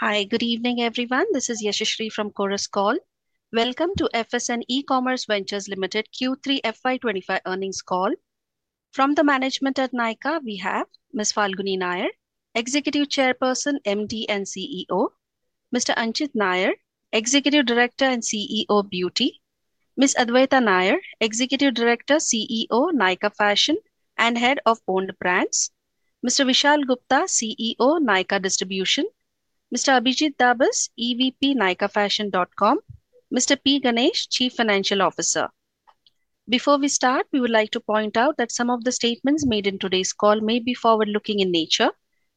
Hi, good evening everyone. This is Yashashri from Chorus Call. Welcome to FSN E-Commerce Ventures Limited Q3 FY25 earnings call. From the management at Nykaa, we have Ms. Falguni Nayar, Executive Chairperson, MD and CEO. Mr. Anchit Nayar, Executive Director and CEO, Beauty. Ms. Adwaita Nayar, Executive Director, CEO, NykaaFashion and Head of Owned Brands. Mr. Vishal Gupta, CEO, Nykaa Distribution. Mr. Abhijeet Dabas, EVP NykaaFashion.com. Mr. P Ganesh, Chief Financial Officer. Before we start, we would like to point out that some of the statements made in today's call may be forward-looking in nature,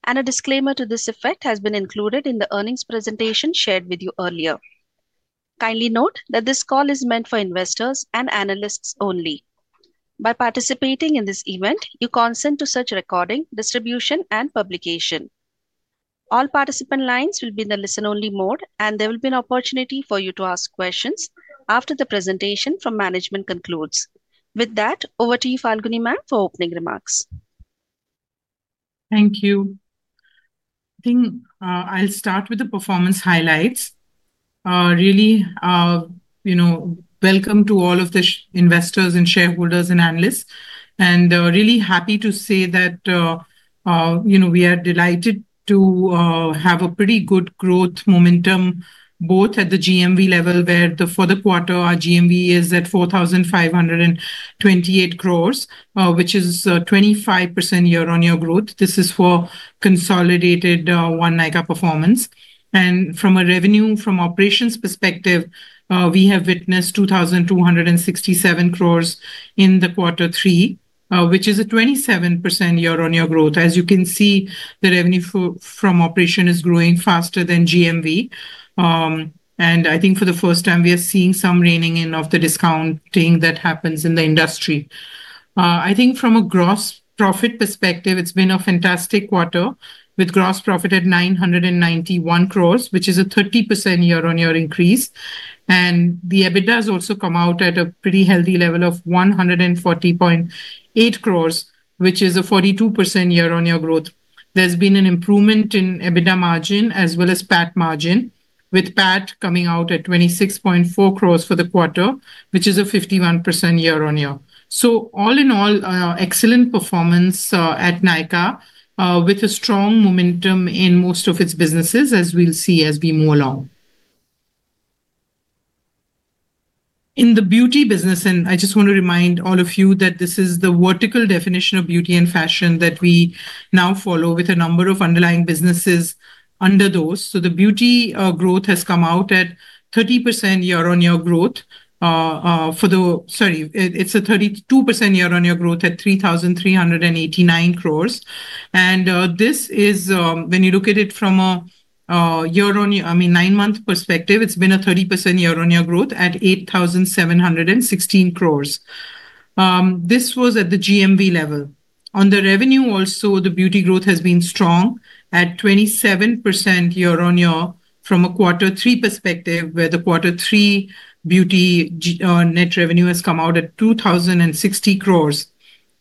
and a disclaimer to this effect has been included in the earnings presentation shared with you earlier. Kindly note that this call is meant for investors and analysts only. By participating in this event, you consent to such recording, distribution, and publication. All participant lines will be in the listen-only mode, and there will be an opportunity for you to ask questions after the presentation from management concludes. With that, over to you, Falguni ma'am, for opening remarks. Thank you. I think I'll start with the performance highlights. Really, you know, welcome to all of the investors and shareholders and analysts, and really happy to say that, you know, we are delighted to have a pretty good growth momentum both at the GMV level where, for the quarter, our GMV is at 4,528 crore, which is a 25% year-on-year growth. This is for consolidated own Nykaa performance, and from a revenue from operations perspective, we have witnessed 2,267 crore in the quarter three, which is a 27% year-on-year growth. As you can see, the revenue from operation is growing faster than GMV, and I think for the first time we are seeing some reining in of the discounting that happens in the industry. I think from a gross profit perspective, it's been a fantastic quarter with gross profit at 991 crore, which is a 30% year-on-year increase. The EBITDA has also come out at a pretty healthy level of 140.8 crore, which is a 42% year-on-year growth. There's been an improvement in EBITDA margin as well as PAT margin, with PAT coming out at 26.4 crore for the quarter, which is a 51% year-on-year. All in all, excellent performance at Nykaa with a strong momentum in most of its businesses as we'll see as we move along. In the beauty business, and I just want to remind all of you that this is the vertical definition of beauty and fashion that we now follow with a number of underlying businesses under those. The beauty growth has come out at 30% year-on-year growth. Sorry, it's a 32% year-on-year growth at 3,389 crore. This is, when you look at it from a year-on-year, I mean nine-month perspective, it's been a 30% year-on-year growth at 8,716 crore. This was at the GMV level. On the revenue also, the beauty growth has been strong at 27% year-on-year from a quarter three perspective, where the quarter three beauty net revenue has come out at 2,060 crore.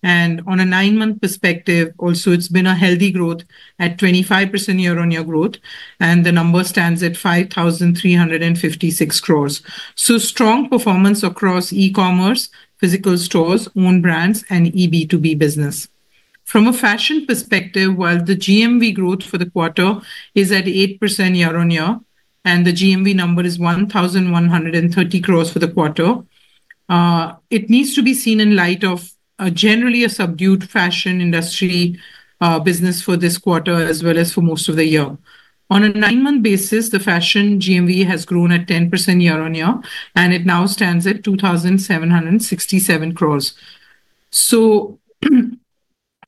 On a nine-month perspective, also it's been a healthy growth at 25% year-on-year growth, and the number stands at 5,356 crore. Strong performance across e-commerce, physical stores, owned brands, and E-B2B business. From a fashion perspective, while the GMV growth for the quarter is at 8% year-on-year and the GMV number is 1,130 crore for the quarter, it needs to be seen in light of generally a subdued fashion industry business for this quarter as well as for most of the year. On a nine-month basis, the fashion GMV has grown at 10% year-on-year, and it now stands at 2,767 crore. So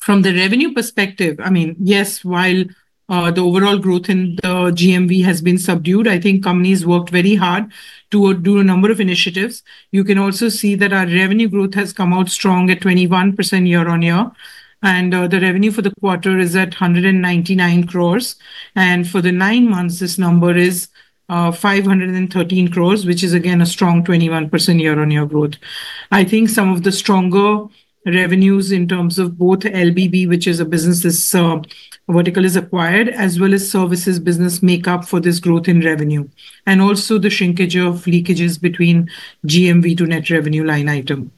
from the revenue perspective, I mean, yes, while the overall growth in the GMV has been subdued, I think companies worked very hard to do a number of initiatives. You can also see that our revenue growth has come out strong at 21% year-on-year, and the revenue for the quarter is at 199 crore. And for the nine months, this number is 513 crore, which is again a strong 21% year-on-year growth. I think some of the stronger revenues in terms of both LBB, which is a business, this vertical is acquired, as well as services business makeup for this growth in revenue, and also the shrinkage of leakages between GMV to net revenue line item.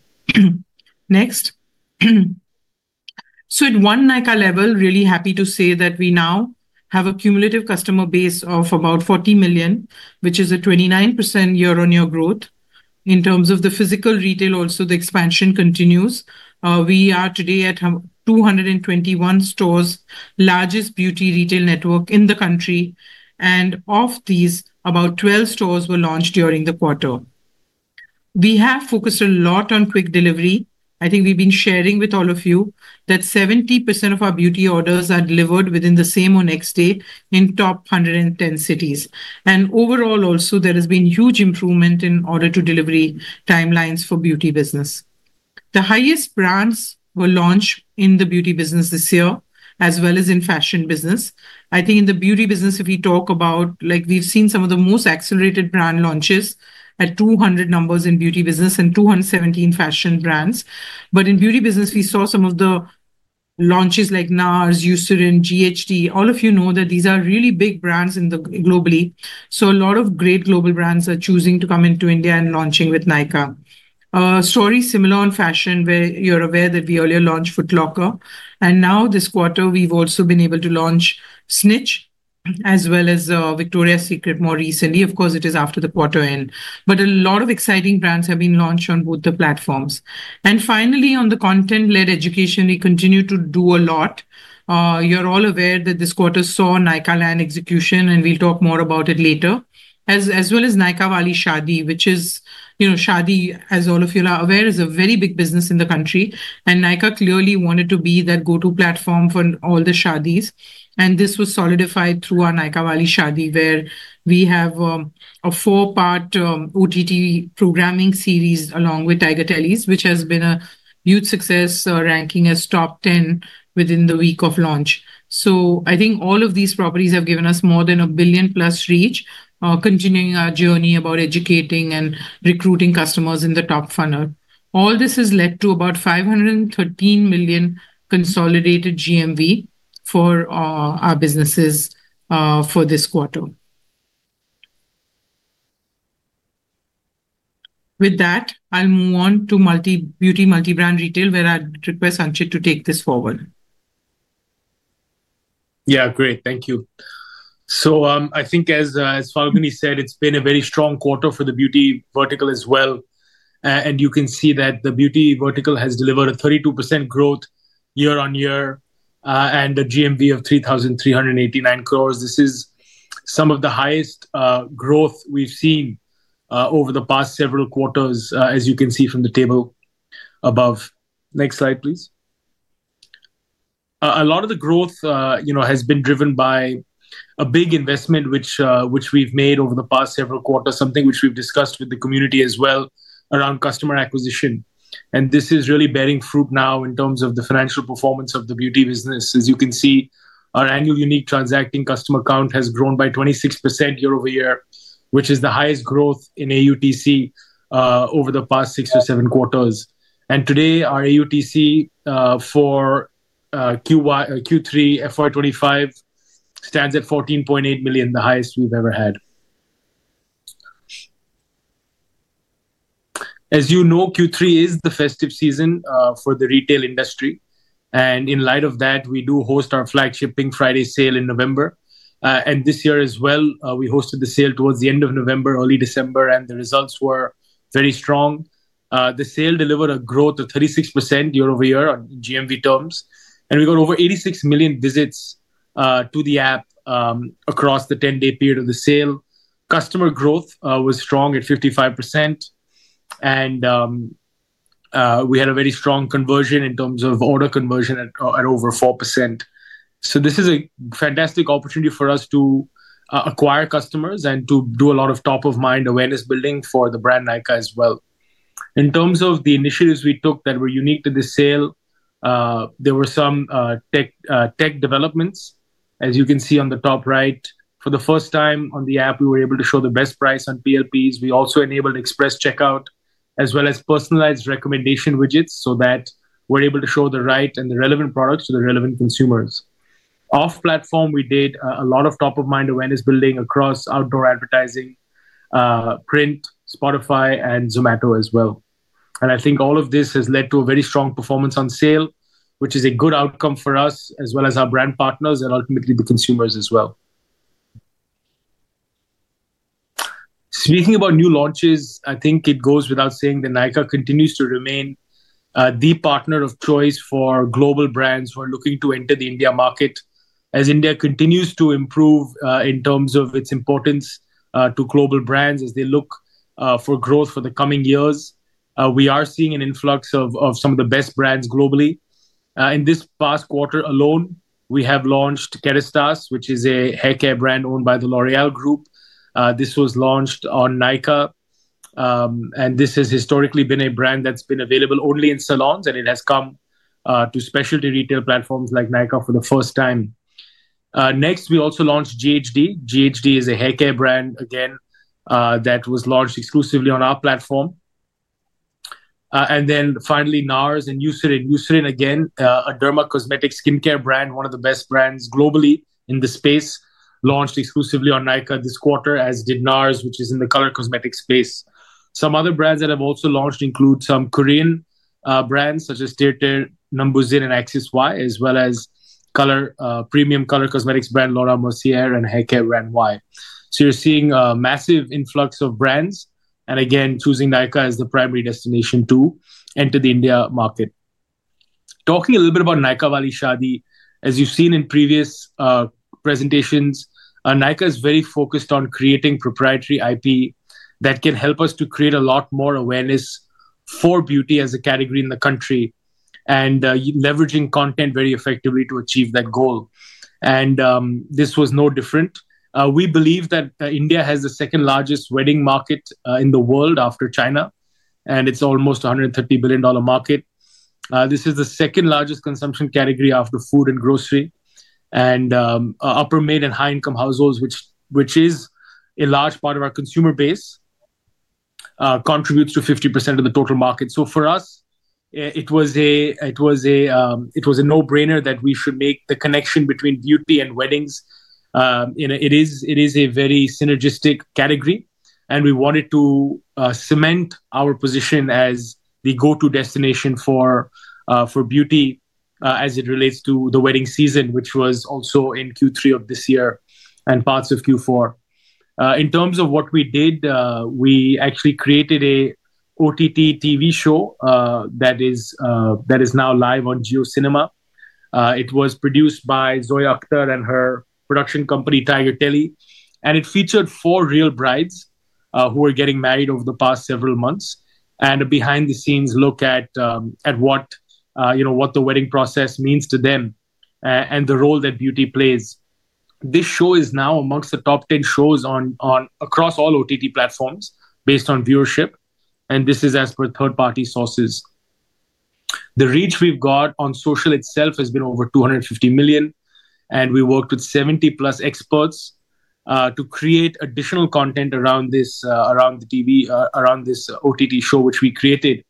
Next. At one Nykaa level, really happy to say that we now have a cumulative customer base of about 40 million, which is a 29% year-on-year growth. In terms of the physical retail, also the expansion continues. We are today at 221 stores, largest beauty retail network in the country, and of these, about 12 stores were launched during the quarter. We have focused a lot on quick delivery. I think we've been sharing with all of you that 70% of our beauty orders are delivered within the same or next day in top 110 cities. Overall, also there has been huge improvement in order to delivery timelines for beauty business. The highest brands were launched in the beauty business this year, as well as in fashion business. I think in the beauty business, if we talk about, like we've seen some of the most accelerated brand launches at 200 numbers in beauty business and 217 fashion brands. But in beauty business, we saw some of the launches like NARS, Eucerin, GHD. All of you know that these are really big brands globally. So a lot of great global brands are choosing to come into India and launching with Nykaa. Story similar on fashion where you're aware that we earlier launched Foot Locker, and now this quarter we've also been able to launch Snitch as well as Victoria's Secret more recently. Of course, it is after the quarter end, but a lot of exciting brands have been launched on both the platforms. And finally, on the content-led education, we continue to do a lot. You're all aware that this quarter saw NYKAALAND execution, and we'll talk more about it later, as well as Nykaa Wali Shaadi, which is, you know, Shaadi, as all of you are aware, is a very big business in the country, and Nykaa clearly wanted to be that go-to platform for all the Shaadis, and this was solidified through our Nykaa Wali Shaadi, where we have a four-part OTT programming series along with Tiger Baby, which has been a huge success, ranking as top 10 within the week of launch, so I think all of these properties have given us more than a billion plus reach, continuing our journey about educating and recruiting customers in the top funnel. All this has led to about 513 million consolidated GMV for our businesses for this quarter. With that, I'll move on to multi-beauty, multi-brand retail, where I'd request Anchit to take this forward. Yeah, great. Thank you. So I think as Falguni said, it's been a very strong quarter for the beauty vertical as well. And you can see that the beauty vertical has delivered a 32% growth year-on-year and a GMV of 3,389 crore. This is some of the highest growth we've seen over the past several quarters, as you can see from the table above. Next slide, please. A lot of the growth, you know, has been driven by a big investment which we've made over the past several quarters, something which we've discussed with the community as well around customer acquisition. And this is really bearing fruit now in terms of the financial performance of the beauty business. As you can see, our annual unique transacting customer count has grown by 26% year-over-year, which is the highest growth in AUTC over the past six or seven quarters. Today, our AUTC for Q3 FY25 stands at 14.8 million, the highest we've ever had. As you know, Q3 is the festive season for the retail industry. In light of that, we do host our flagship Pink Friday sale in November. This year as well, we hosted the sale towards the end of November, early December, and the results were very strong. The sale delivered a growth of 36% year-over-year on GMV terms. We got over 86 million visits to the app across the 10-day period of the sale. Customer growth was strong at 55%. We had a very strong conversion in terms of order conversion at over 4%. This is a fantastic opportunity for us to acquire customers and to do a lot of top-of-mind awareness building for the brand Nykaa as well. In terms of the initiatives we took that were unique to this sale, there were some tech developments. As you can see on the top right, for the first time on the app, we were able to show the best price on PLPs. We also enabled express checkout as well as personalized recommendation widgets so that we're able to show the right and the relevant products to the relevant consumers. Off-platform, we did a lot of top-of-mind awareness building across outdoor advertising, print, Spotify, and Zomato as well, and I think all of this has led to a very strong performance on sale, which is a good outcome for us as well as our brand partners and ultimately the consumers as well. Speaking about new launches, I think it goes without saying that Nykaa continues to remain the partner of choice for global brands who are looking to enter the India market. As India continues to improve in terms of its importance to global brands as they look for growth for the coming years, we are seeing an influx of some of the best brands globally. In this past quarter alone, we have launched Kérastase, which is a haircare brand owned by the L'Oréal Group. This was launched on Nykaa. And this has historically been a brand that's been available only in salons, and it has come to specialty retail platforms like Nykaa for the first time. Next, we also launched GHD. GHD is a haircare brand, again, that was launched exclusively on our platform. And then finally, NARS and Eucerin. Eucerin, again, a derma cosmetic skincare brand, one of the best brands globally in the space, launched exclusively on Nykaa this quarter, as did NARS, which is in the color cosmetic space. Some other brands that have also launched include some Korean brands such as TIRTIR, Numbuzin, and AXIS-Y, as well as premium color cosmetics brand Laura Mercier and haircare brand Y. So you're seeing a massive influx of brands. And again, choosing Nykaa as the primary destination to enter the India market. Talking a little bit about Nykaa Wali Shaadi, as you've seen in previous presentations, Nykaa is very focused on creating proprietary IP that can help us to create a lot more awareness for beauty as a category in the country and leveraging content very effectively to achieve that goal. And this was no different. We believe that India has the second largest wedding market in the world after China, and it's almost a $130 billion market. This is the second largest consumption category after food and grocery, and upper-mid and high-income households, which is a large part of our consumer base, contribute to 50% of the total market. So for us, it was a no-brainer that we should make the connection between beauty and weddings. It is a very synergistic category, and we wanted to cement our position as the go-to destination for beauty as it relates to the wedding season, which was also in Q3 of this year and parts of Q4. In terms of what we did, we actually created an OTT TV show that is now live on JioCinema. It was produced by Zoya Akhtar and her production company, Tiger Baby. It featured four real brides who are getting married over the past several months and a behind-the-scenes look at what the wedding process means to them and the role that beauty plays. This show is now among the top 10 shows across all OTT platforms based on viewership, and this is as per third-party sources. The reach we've got on social itself has been over 250 million, and we worked with 70+ experts to create additional content around this OTT show, which we created.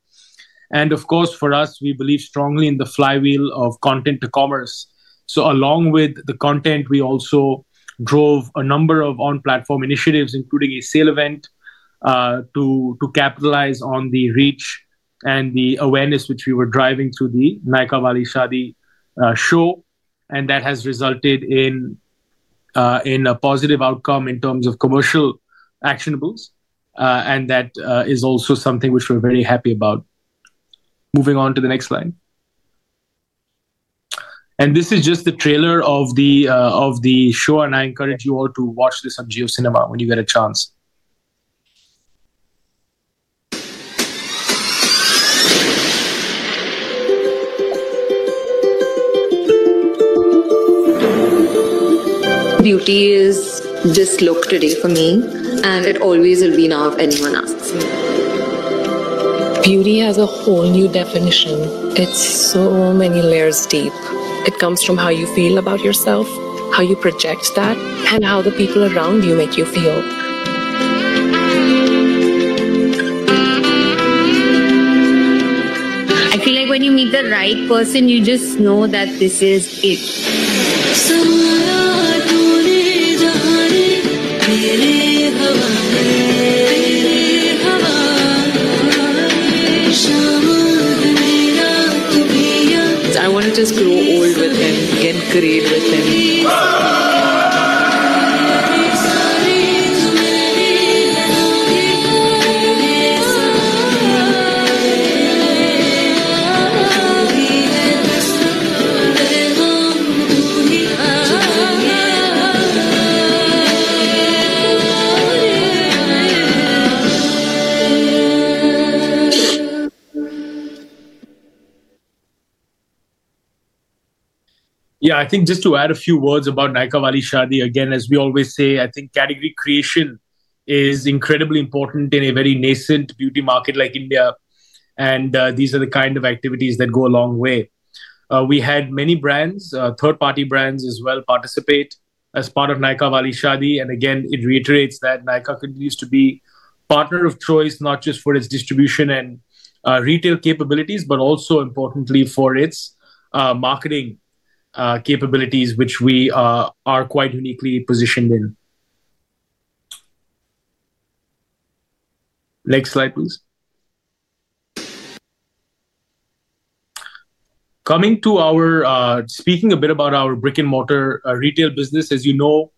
Of course, for us, we believe strongly in the flywheel of content to commerce. Along with the content, we also drove a number of on-platform initiatives, including a sale event, to capitalize on the reach and the awareness, which we were driving through the Nykaa Wali Shaadi show. That has resulted in a positive outcome in terms of commercial actionables, and that is also something which we're very happy about. Moving on to the next slide. This is just the trailer of the show, and I encourage you all to watch this on JioCinema when you get a chance. Beauty is this look today for me, and it always will be now if anyone asks me. Beauty has a whole new definition. It's so many layers deep. It comes from how you feel about yourself, how you project that, and how the people around you make you feel. I feel like when you meet the right person, you just know that this is it. Yeah, I think just to add a few words about Nykaa Wali Shaadi, again, as we always say, I think category creation is incredibly important in a very nascent beauty market like India. And these are the kind of activities that go a long way. We had many brands, third-party brands as well, participate as part of Nykaa Wali Shaadi. And again, it reiterates that Nykaa continues to be a partner of choice, not just for its distribution and retail capabilities, but also, importantly, for its marketing capabilities, which we are quite uniquely positioned in. Next slide, please. Coming to speak a bit about our brick-and-mortar retail business, as you know,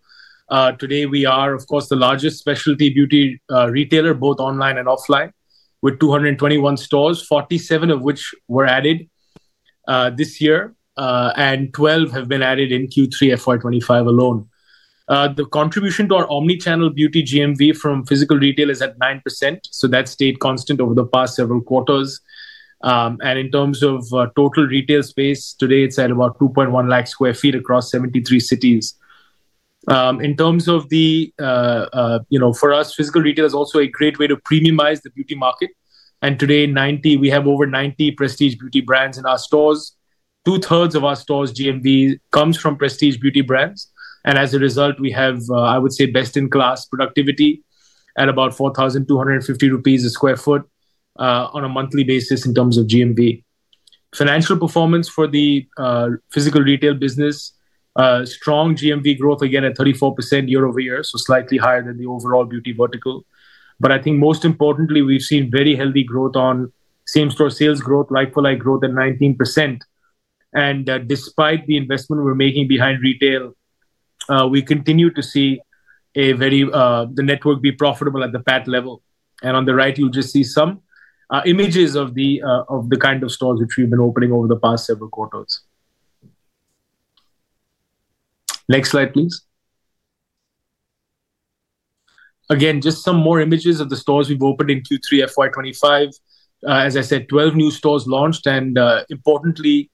today we are, of course, the largest specialty beauty retailer, both online and offline, with 221 stores, 47 of which were added this year, and 12 have been added in Q3 FY25 alone. The contribution to our omnichannel beauty GMV from physical retail is at 9%. So that stayed constant over the past several quarters. And in terms of total retail space, today it's at about 2.1 lakh sq ft across 73 cities. In terms of, you know, for us, physical retail is also a great way to premiumize the beauty market. And today, 90, we have over 90 prestige beauty brands in our stores. Two-thirds of our store's GMV comes from prestige beauty brands. And as a result, we have, I would say, best-in-class productivity at about 4,250 rupees a sq ft on a monthly basis in terms of GMV. Financial performance for the physical retail business, strong GMV growth again at 34% year-over-year, so slightly higher than the overall beauty vertical. But I think most importantly, we've seen very healthy growth on same-store sales growth, like-for-like growth at 19%. And despite the investment we're making behind retail, we continue to see the network be profitable at the PAT level. And on the right, you'll just see some images of the kind of stores which we've been opening over the past several quarters. Next slide, please. Again, just some more images of the stores we've opened in Q3 FY25. As I said, 12 new stores launched. And importantly,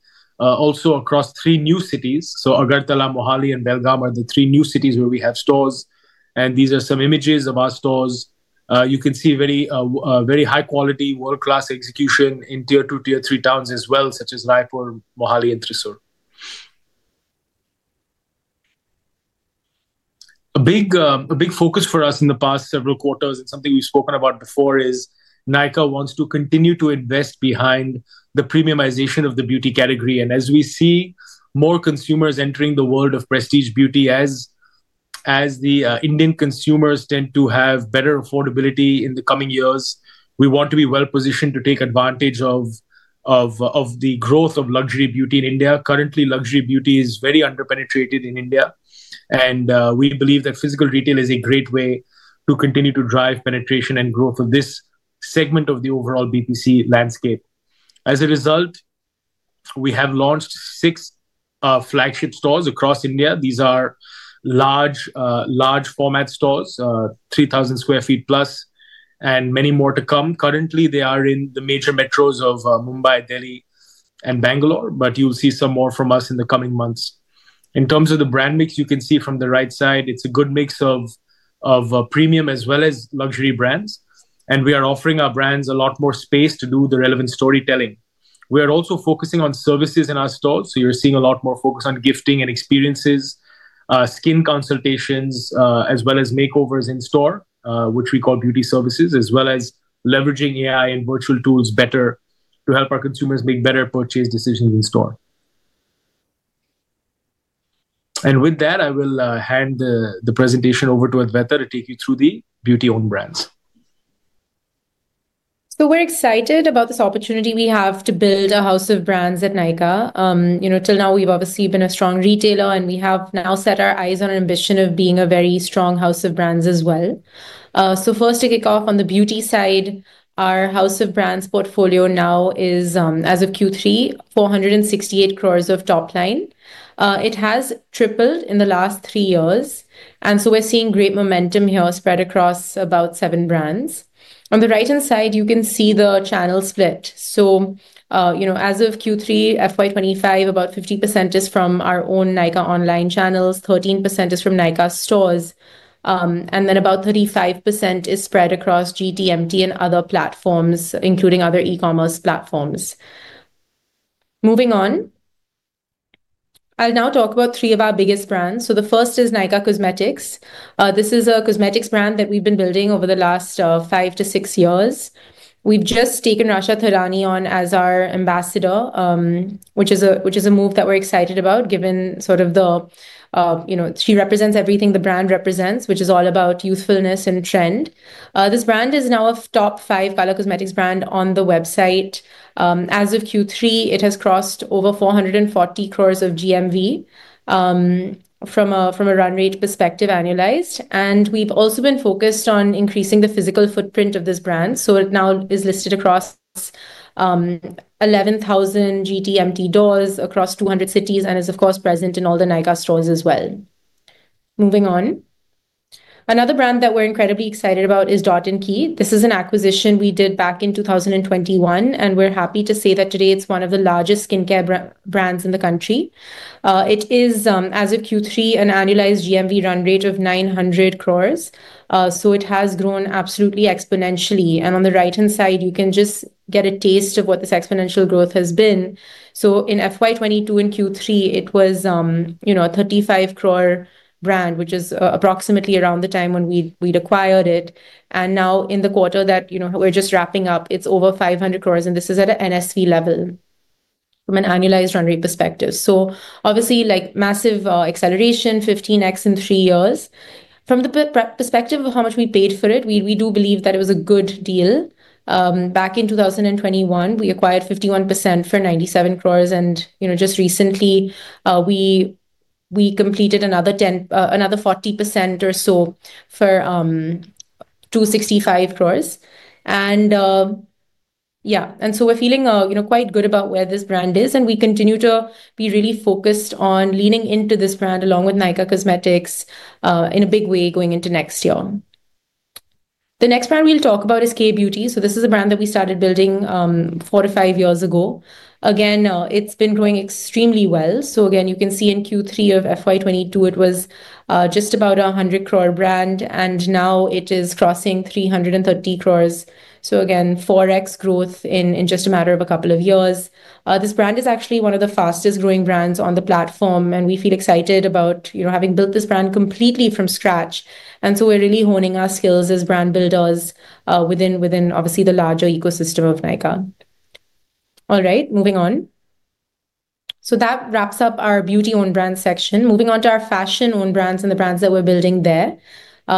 also across three new cities. So Agartala, Mohali, and Belgaum are the three new cities where we have stores. And these are some images of our stores. You can see very high-quality, world-class execution in tier two, tier three towns as well, such as Raipur, Mohali, and Thrissur. A big focus for us in the past several quarters, and something we've spoken about before, is Nykaa wants to continue to invest behind the premiumization of the beauty category. And as we see more consumers entering the world of prestige beauty, as the Indian consumers tend to have better affordability in the coming years, we want to be well-positioned to take advantage of the growth of luxury beauty in India. Currently, luxury beauty is very under-penetrated in India. And we believe that physical retail is a great way to continue to drive penetration and growth of this segment of the overall BPC landscape. As a result, we have launched six flagship stores across India. These are large-format stores, 3,000+ sq ft, and many more to come. Currently, they are in the major metros of Mumbai, Delhi, and Bangalore, but you'll see some more from us in the coming months. In terms of the brand mix, you can see from the right side, it's a good mix of premium as well as luxury brands. We are offering our brands a lot more space to do the relevant storytelling. We are also focusing on services in our stores. You're seeing a lot more focus on gifting and experiences, skin consultations, as well as makeovers in store, which we call beauty services, as well as leveraging AI and virtual tools better to help our consumers make better purchase decisions in store. With that, I will hand the presentation over to Adwaita to take you through the beauty-owned brands. We're excited about this opportunity we have to build a house of brands at Nykaa. Until now, we've obviously been a strong retailer, and we have now set our eyes on an ambition of being a very strong house of brands as well. First, to kick off on the beauty side, our house of brands portfolio now is, as of Q3, 468 crore of top line. It has tripled in the last three years. We're seeing great momentum here spread across about seven brands. On the right-hand side, you can see the channel split. As of Q3 FY25, about 50% is from our own Nykaa online channels, 13% is from Nykaa stores, and then about 35% is spread across GTMT and other platforms, including other e-commerce platforms. Moving on, I'll now talk about three of our biggest brands. The first is Nykaa Cosmetics. This is a cosmetics brand that we've been building over the last five years-six years. We've just taken Rasha Thadani on as our ambassador, which is a move that we're excited about, given sort of the, she represents everything the brand represents, which is all about youthfulness and trend. This brand is now a top five color cosmetics brand on the website. As of Q3, it has crossed over 440 crore of GMV from a run rate perspective annualized. And we've also been focused on increasing the physical footprint of this brand. So it now is listed across 11,000 GTMT doors across 200 cities and is, of course, present in all the Nykaa stores as well. Moving on, another brand that we're incredibly excited about is Dot & Key. This is an acquisition we did back in 2021, and we're happy to say that today it's one of the largest skincare brands in the country. It is, as of Q3, an annualized GMV run rate of 900 crore. So it has grown absolutely exponentially. And on the right-hand side, you can just get a taste of what this exponential growth has been. So in FY22 and Q3, it was a 35-crore brand, which is approximately around the time when we'd acquired it. And now in the quarter that we're just wrapping up, it's over 500 crore, and this is at an NSV level from an annualized run rate perspective. So obviously, massive acceleration, 15x in three years. From the perspective of how much we paid for it, we do believe that it was a good deal. Back in 2021, we acquired 51% for 97 crore. Just recently, we completed another 40% or so for 265 crore. Yeah, and so we're feeling quite good about where this brand is. We continue to be really focused on leaning into this brand along with Nykaa Cosmetics in a big way going into next year. The next brand we'll talk about is Kay Beauty. This is a brand that we started building four to five years ago. Again, it's been growing extremely well. Again, you can see in Q3 of FY22, it was just about a 100-crore brand, and now it is crossing 330 crore. Again, 4x growth in just a matter of a couple of years. This brand is actually one of the fastest-growing brands on the platform, and we feel excited about having built this brand completely from scratch. And so we're really honing our skills as brand builders within, obviously, the larger ecosystem of Nykaa. All right, moving on. So that wraps up our beauty-owned brand section. Moving on to our fashion-owned brands and the brands that we're building there.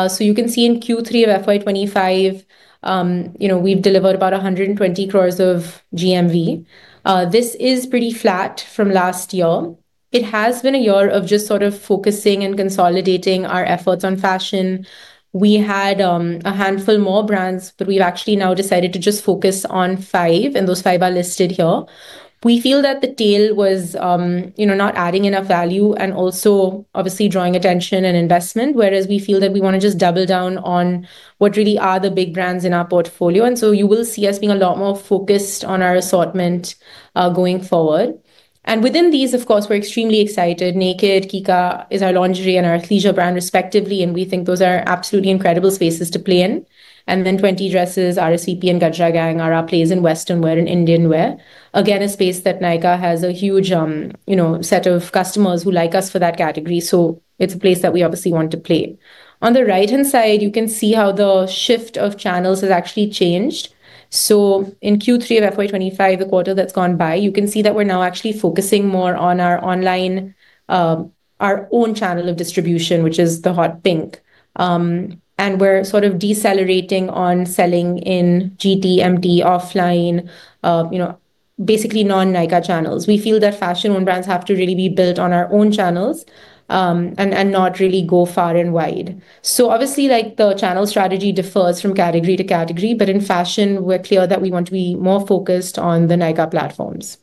So you can see in Q3 of FY25, we've delivered about 120 crore of GMV. This is pretty flat from last year. It has been a year of just sort of focusing and consolidating our efforts on fashion. We had a handful more brands, but we've actually now decided to just focus on five, and those five are listed here. We feel that the tail was not adding enough value and also, obviously, drawing attention and investment, whereas we feel that we want to just double down on what really are the big brands in our portfolio. And so you will see us being a lot more focused on our assortment going forward. And within these, of course, we're extremely excited. Nykd, Kica is our lingerie, and our athleisure brand, respectively. And we think those are absolutely incredible spaces to play in. And then 20 Dresses, RSVP, and Gajra Gang are our plays in Western wear and Indian wear. Again, a space that Nykaa has a huge set of customers who like us for that category. So it's a place that we obviously want to play. On the right-hand side, you can see how the shift of channels has actually changed. So in Q3 of FY25, the quarter that's gone by, you can see that we're now actually focusing more on our own channel of distribution, which is the hot pink. And we're sort of decelerating on selling in GTMT offline, basically non-Nykaa channels. We feel that fashion-owned brands have to really be built on our own channels and not really go far and wide. So obviously, the channel strategy differs from category to category, but in fashion, we're clear that we want to be more focused on the Nykaa platforms.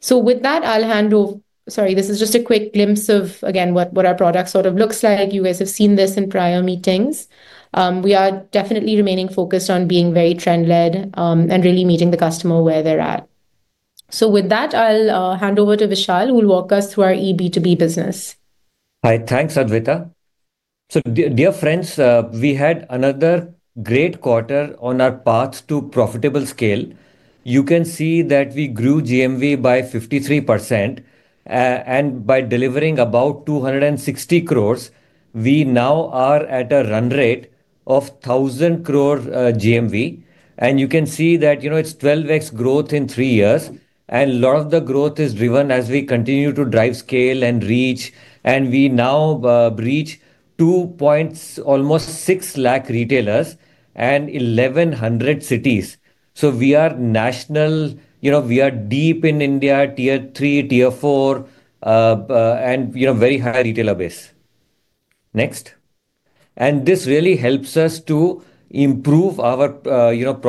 So with that, I'll hand over. Sorry, this is just a quick glimpse of, again, what our product sort of looks like. You guys have seen this in prior meetings. We are definitely remaining focused on being very trend-led and really meeting the customer where they're at. So with that, I'll hand over to Vishal, who will walk us through our E-B2B business. Hi, thanks, Adwaita. So dear friends, we had another great quarter on our path to profitable scale. You can see that we grew GMV by 53%. And by delivering about 260 crore, we now are at a run rate of 1,000 crore GMV. And you can see that it's 12x growth in three years. And a lot of the growth is driven as we continue to drive scale and reach. And we now reach 2.6 lakh retailers and 1,100 cities. So we are national. We are deep in India, tier three, tier four, and very high retailer base. Next. And this really helps us to improve our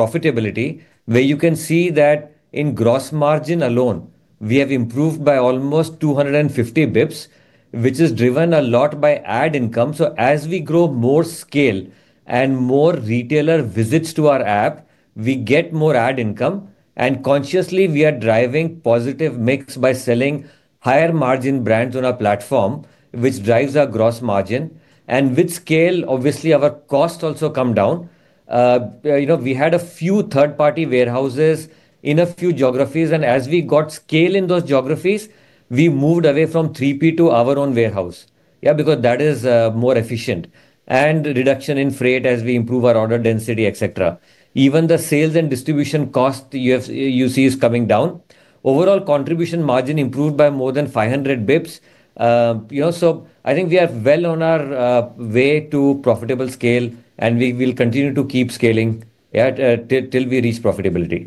profitability, where you can see that in gross margin alone, we have improved by almost 250 basis points, which is driven a lot by ad income. So as we grow more scale and more retailer visits to our app, we get more ad income. And consciously, we are driving positive mix by selling higher margin brands on our platform, which drives our gross margin. And with scale, obviously, our cost also comes down. We had a few third-party warehouses in a few geographies. And as we got scale in those geographies, we moved away from 3P to our own warehouse. Yeah, because that is more efficient. And reduction in freight as we improve our order density, et cetera. Even the sales and distribution cost you see is coming down. Overall contribution margin improved by more than 500 basis points. So I think we are well on our way to profitable scale, and we will continue to keep scaling till we reach profitability.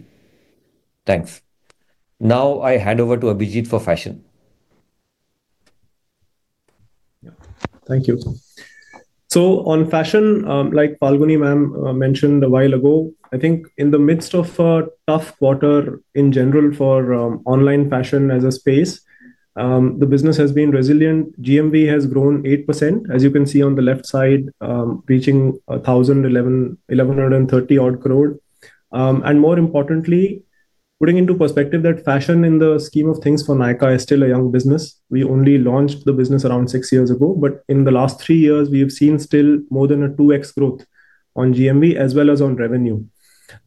Thanks. Now I hand over to Abhijeet for fashion. Thank you. So on fashion, like Falguni ma'am mentioned a while ago, I think in the midst of a tough quarter in general for online fashion as a space, the business has been resilient. GMV has grown 8%, as you can see on the left side, reaching 1,130-odd crore. And more importantly, putting into perspective that fashion in the scheme of things for Nykaa is still a young business. We only launched the business around six years ago, but in the last three years, we have seen still more than a 2x growth on GMV as well as on revenue.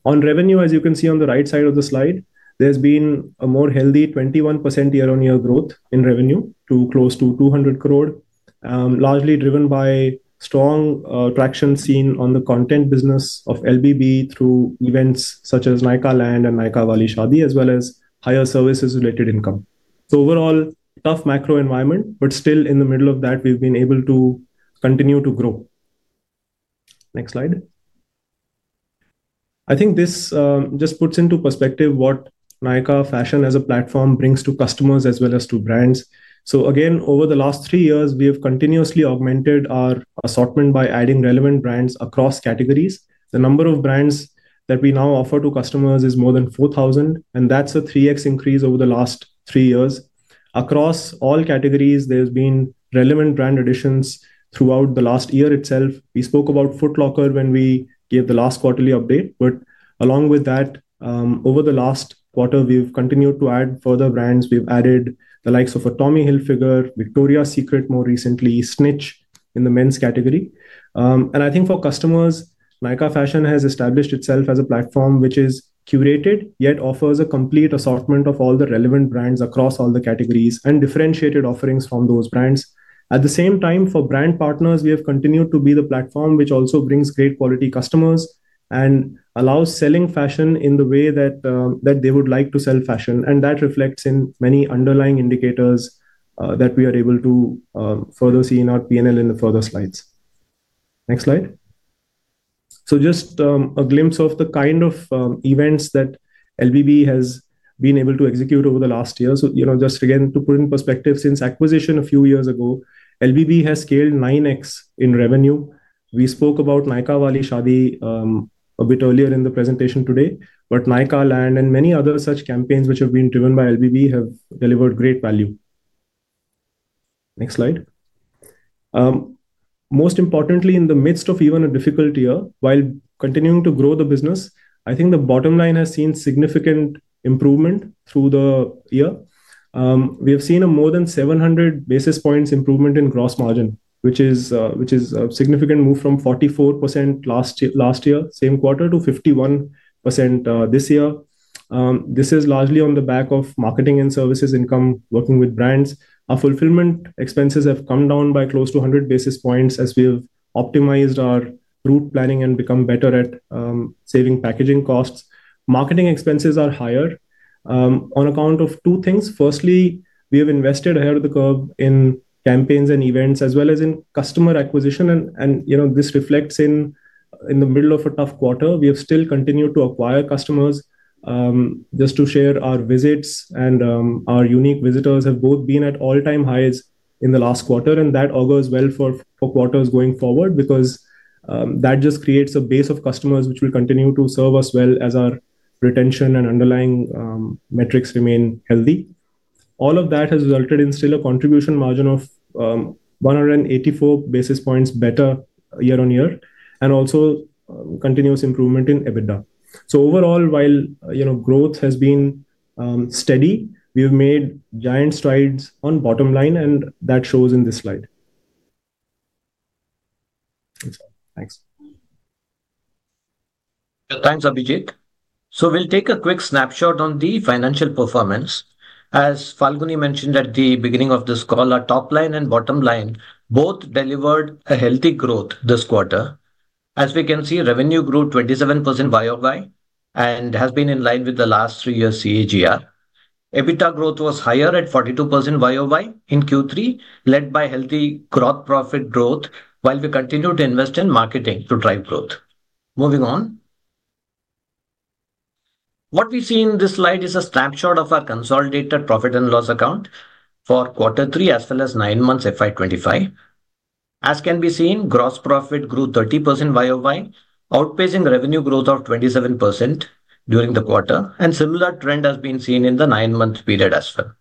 On revenue, as you can see on the right side of the slide, there's been a more healthy 21% year-on-year growth in revenue to close to 200 crore, largely driven by strong traction seen on the content business of LBB through events such as NYKAALAND and Nykaa Wali Shaadi, as well as higher services-related income. So overall, tough macro environment, but still in the middle of that, we've been able to continue to grow. Next slide. I think this just puts into perspective what Nykaa Fashion as a platform brings to customers as well as to brands. So again, over the last three years, we have continuously augmented our assortment by adding relevant brands across categories. The number of brands that we now offer to customers is more than 4,000, and that's a 3x increase over the last three years. Across all categories, there have been relevant brand additions throughout the last year itself. We spoke about Foot Locker when we gave the last quarterly update, but along with that, over the last quarter, we've continued to add further brands. We've added the likes of Tommy Hilfiger, Victoria's Secret more recently, Snitch in the men's category. And I think for customers, Nykaa Fashion has established itself as a platform which is curated, yet offers a complete assortment of all the relevant brands across all the categories and differentiated offerings from those brands. At the same time, for brand partners, we have continued to be the platform which also brings great quality customers and allows selling fashion in the way that they would like to sell fashion. And that reflects in many underlying indicators that we are able to further see in our P&L in the further slides. Next slide. Just a glimpse of the kind of events that LBB has been able to execute over the last year. Just again, to put in perspective, since acquisition a few years ago, LBB has scaled 9x in revenue. We spoke about Nykaa Wali Shaadi a bit earlier in the presentation today, but NYKAALAND and many other such campaigns which have been driven by LBB have delivered great value. Next slide. Most importantly, in the midst of even a difficult year, while continuing to grow the business, I think the bottom line has seen significant improvement through the year. We have seen a more than 700 basis points improvement in gross margin, which is a significant move from 44% last year, same quarter, to 51% this year. This is largely on the back of marketing and services income working with brands. Our fulfillment expenses have come down by close to 100 basis points as we have optimized our route planning and become better at saving packaging costs. Marketing expenses are higher on account of two things. Firstly, we have invested ahead of the curve in campaigns and events as well as in customer acquisition, and this reflects in the middle of a tough quarter. We have still continued to acquire customers. Just to share, our visits and our unique visitors have both been at all-time highs in the last quarter, and that augurs well for quarters going forward because that just creates a base of customers which will continue to serve us well as our retention and underlying metrics remain healthy. All of that has resulted in still a contribution margin of 184 basis points better year-on-year and also continuous improvement in EBITDA. So overall, while growth has been steady, we have made giant strides on bottom line, and that shows in this slide. Thanks. Thanks, Abhijeet. So we'll take a quick snapshot on the financial performance. As Falguni mentioned at the beginning of this call, our top line and bottom line both delivered a healthy growth this quarter. As we can see, revenue grew 27% YoY and has been in line with the last three years' CAGR. EBITDA growth was higher at 42% YoY in Q3, led by healthy gross profit growth, while we continued to invest in marketing to drive growth. Moving on. What we see in this slide is a snapshot of our consolidated profit and loss account for quarter three as well as nine months FY25. As can be seen, gross profit grew 30% YoY, outpacing revenue growth of 27% during the quarter. And similar trend has been seen in the nine-month period as well.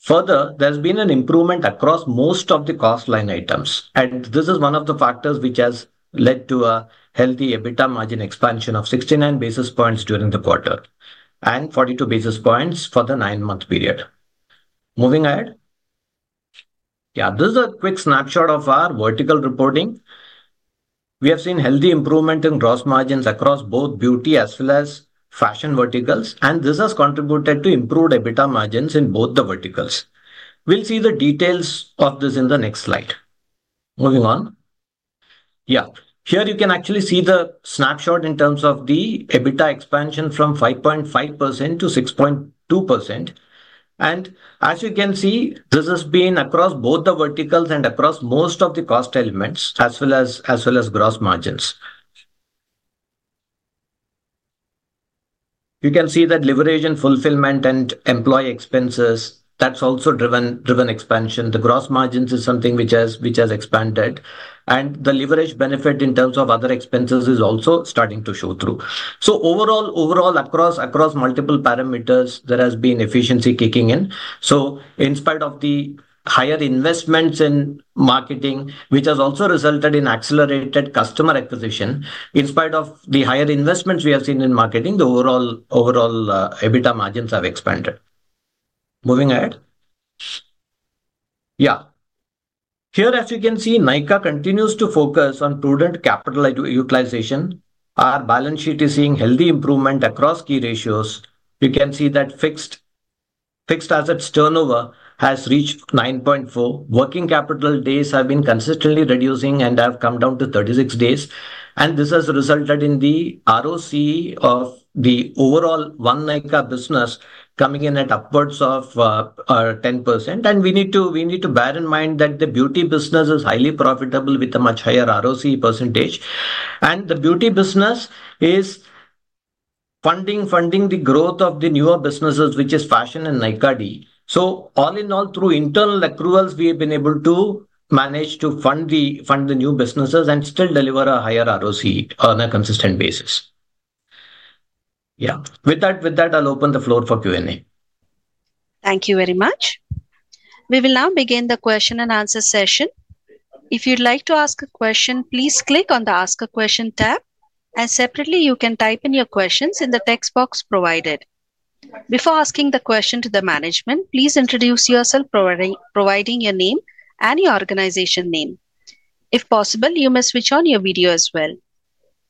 Further, there has been an improvement across most of the cost line items. And this is one of the factors which has led to a healthy EBITDA margin expansion of 69 basis points during the quarter and 42 basis points for the nine-month period. Moving ahead. Yeah, this is a quick snapshot of our vertical reporting. We have seen healthy improvement in gross margins across both beauty as well as fashion verticals. And this has contributed to improved EBITDA margins in both the verticals. We'll see the details of this in the next slide. Moving on. Yeah, here you can actually see the snapshot in terms of the EBITDA expansion from 5.5%-6.2%. And as you can see, this has been across both the verticals and across most of the cost elements as well as gross margins. You can see that leverage and fulfillment and employee expenses, that's also driven expansion. The gross margins is something which has expanded. The leverage benefit in terms of other expenses is also starting to show through. Overall, across multiple parameters, there has been efficiency kicking in. In spite of the higher investments in marketing, which has also resulted in accelerated customer acquisition, in spite of the higher investments we have seen in marketing, the overall EBITDA margins have expanded. Moving ahead. Yeah. Here, as you can see, Nykaa continues to focus on prudent capital utilization. Our balance sheet is seeing healthy improvement across key ratios. You can see that fixed assets turnover has reached 9.4. Working capital days have been consistently reducing and have come down to 36 days. This has resulted in the ROC of the overall one Nykaa business coming in at upwards of 10%. We need to bear in mind that the beauty business is highly profitable with a much higher ROC percentage. And the beauty business is funding the growth of the newer businesses, which is fashion and Nykaa D. So all in all, through internal accruals, we have been able to manage to fund the new businesses and still deliver a higher ROC on a consistent basis. Yeah, with that, I'll open the floor for Q&A. Thank you very much. We will now begin the question and answer session. If you'd like to ask a question, please click on the Ask a Question tab. And separately, you can type in your questions in the text box provided. Before asking the question to the management, please introduce yourself, providing your name and your organization name. If possible, you may switch on your video as well.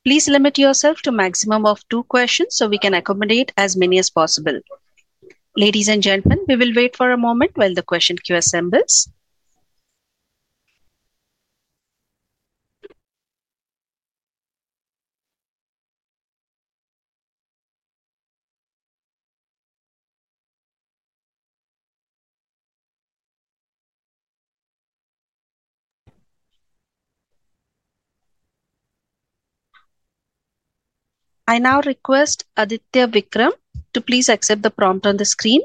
Please limit yourself to a maximum of two questions so we can accommodate as many as possible. Ladies and gentlemen, we will wait for a moment while the question queue assembles. I now request Aditya Vikram to please accept the prompt on the screen.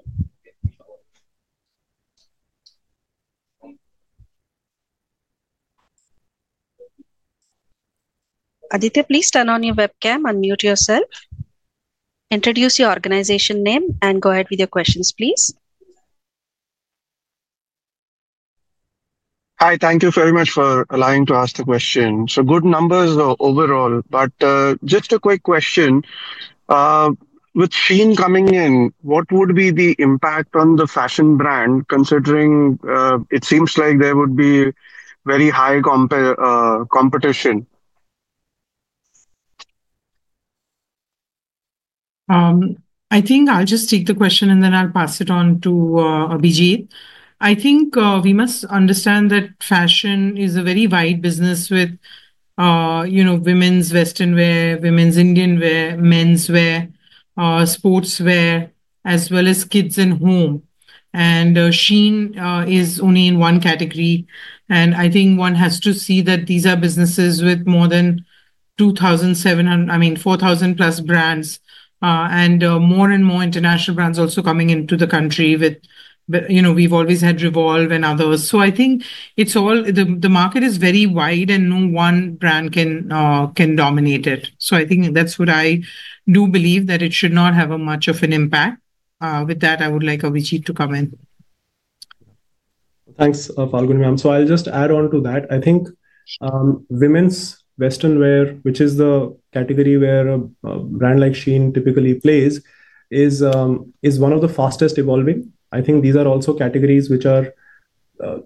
Aditya, please turn on your webcam and mute yourself. Introduce your organization name and go ahead with your questions, please. Hi, thank you very much for allowing me to ask the question. So good numbers overall, but just a quick question. With Shein coming in, what would be the impact on the fashion brand, considering it seems like there would be very high competition? I think I'll just take the question and then I'll pass it on to Abhijeet. I think we must understand that fashion is a very wide business with women's Western wear, women's Indian wear, men's wear, sportswear, as well as kids and home. And Shein is only in one category. And I think one has to see that these are businesses with more than 2,700, I mean, 4,000+ brands and more and more international brands also coming into the country with, we've always had Revolve and others. So I think the market is very wide and no one brand can dominate it. So I think that's what I do believe that it should not have much of an impact. With that, I would like Abhijeet to come in. Thanks, Falguni ma'am. So I'll just add on to that. I think women's Western wear, which is the category where a brand like Shein typically plays, is one of the fastest evolving. I think these are also categories which are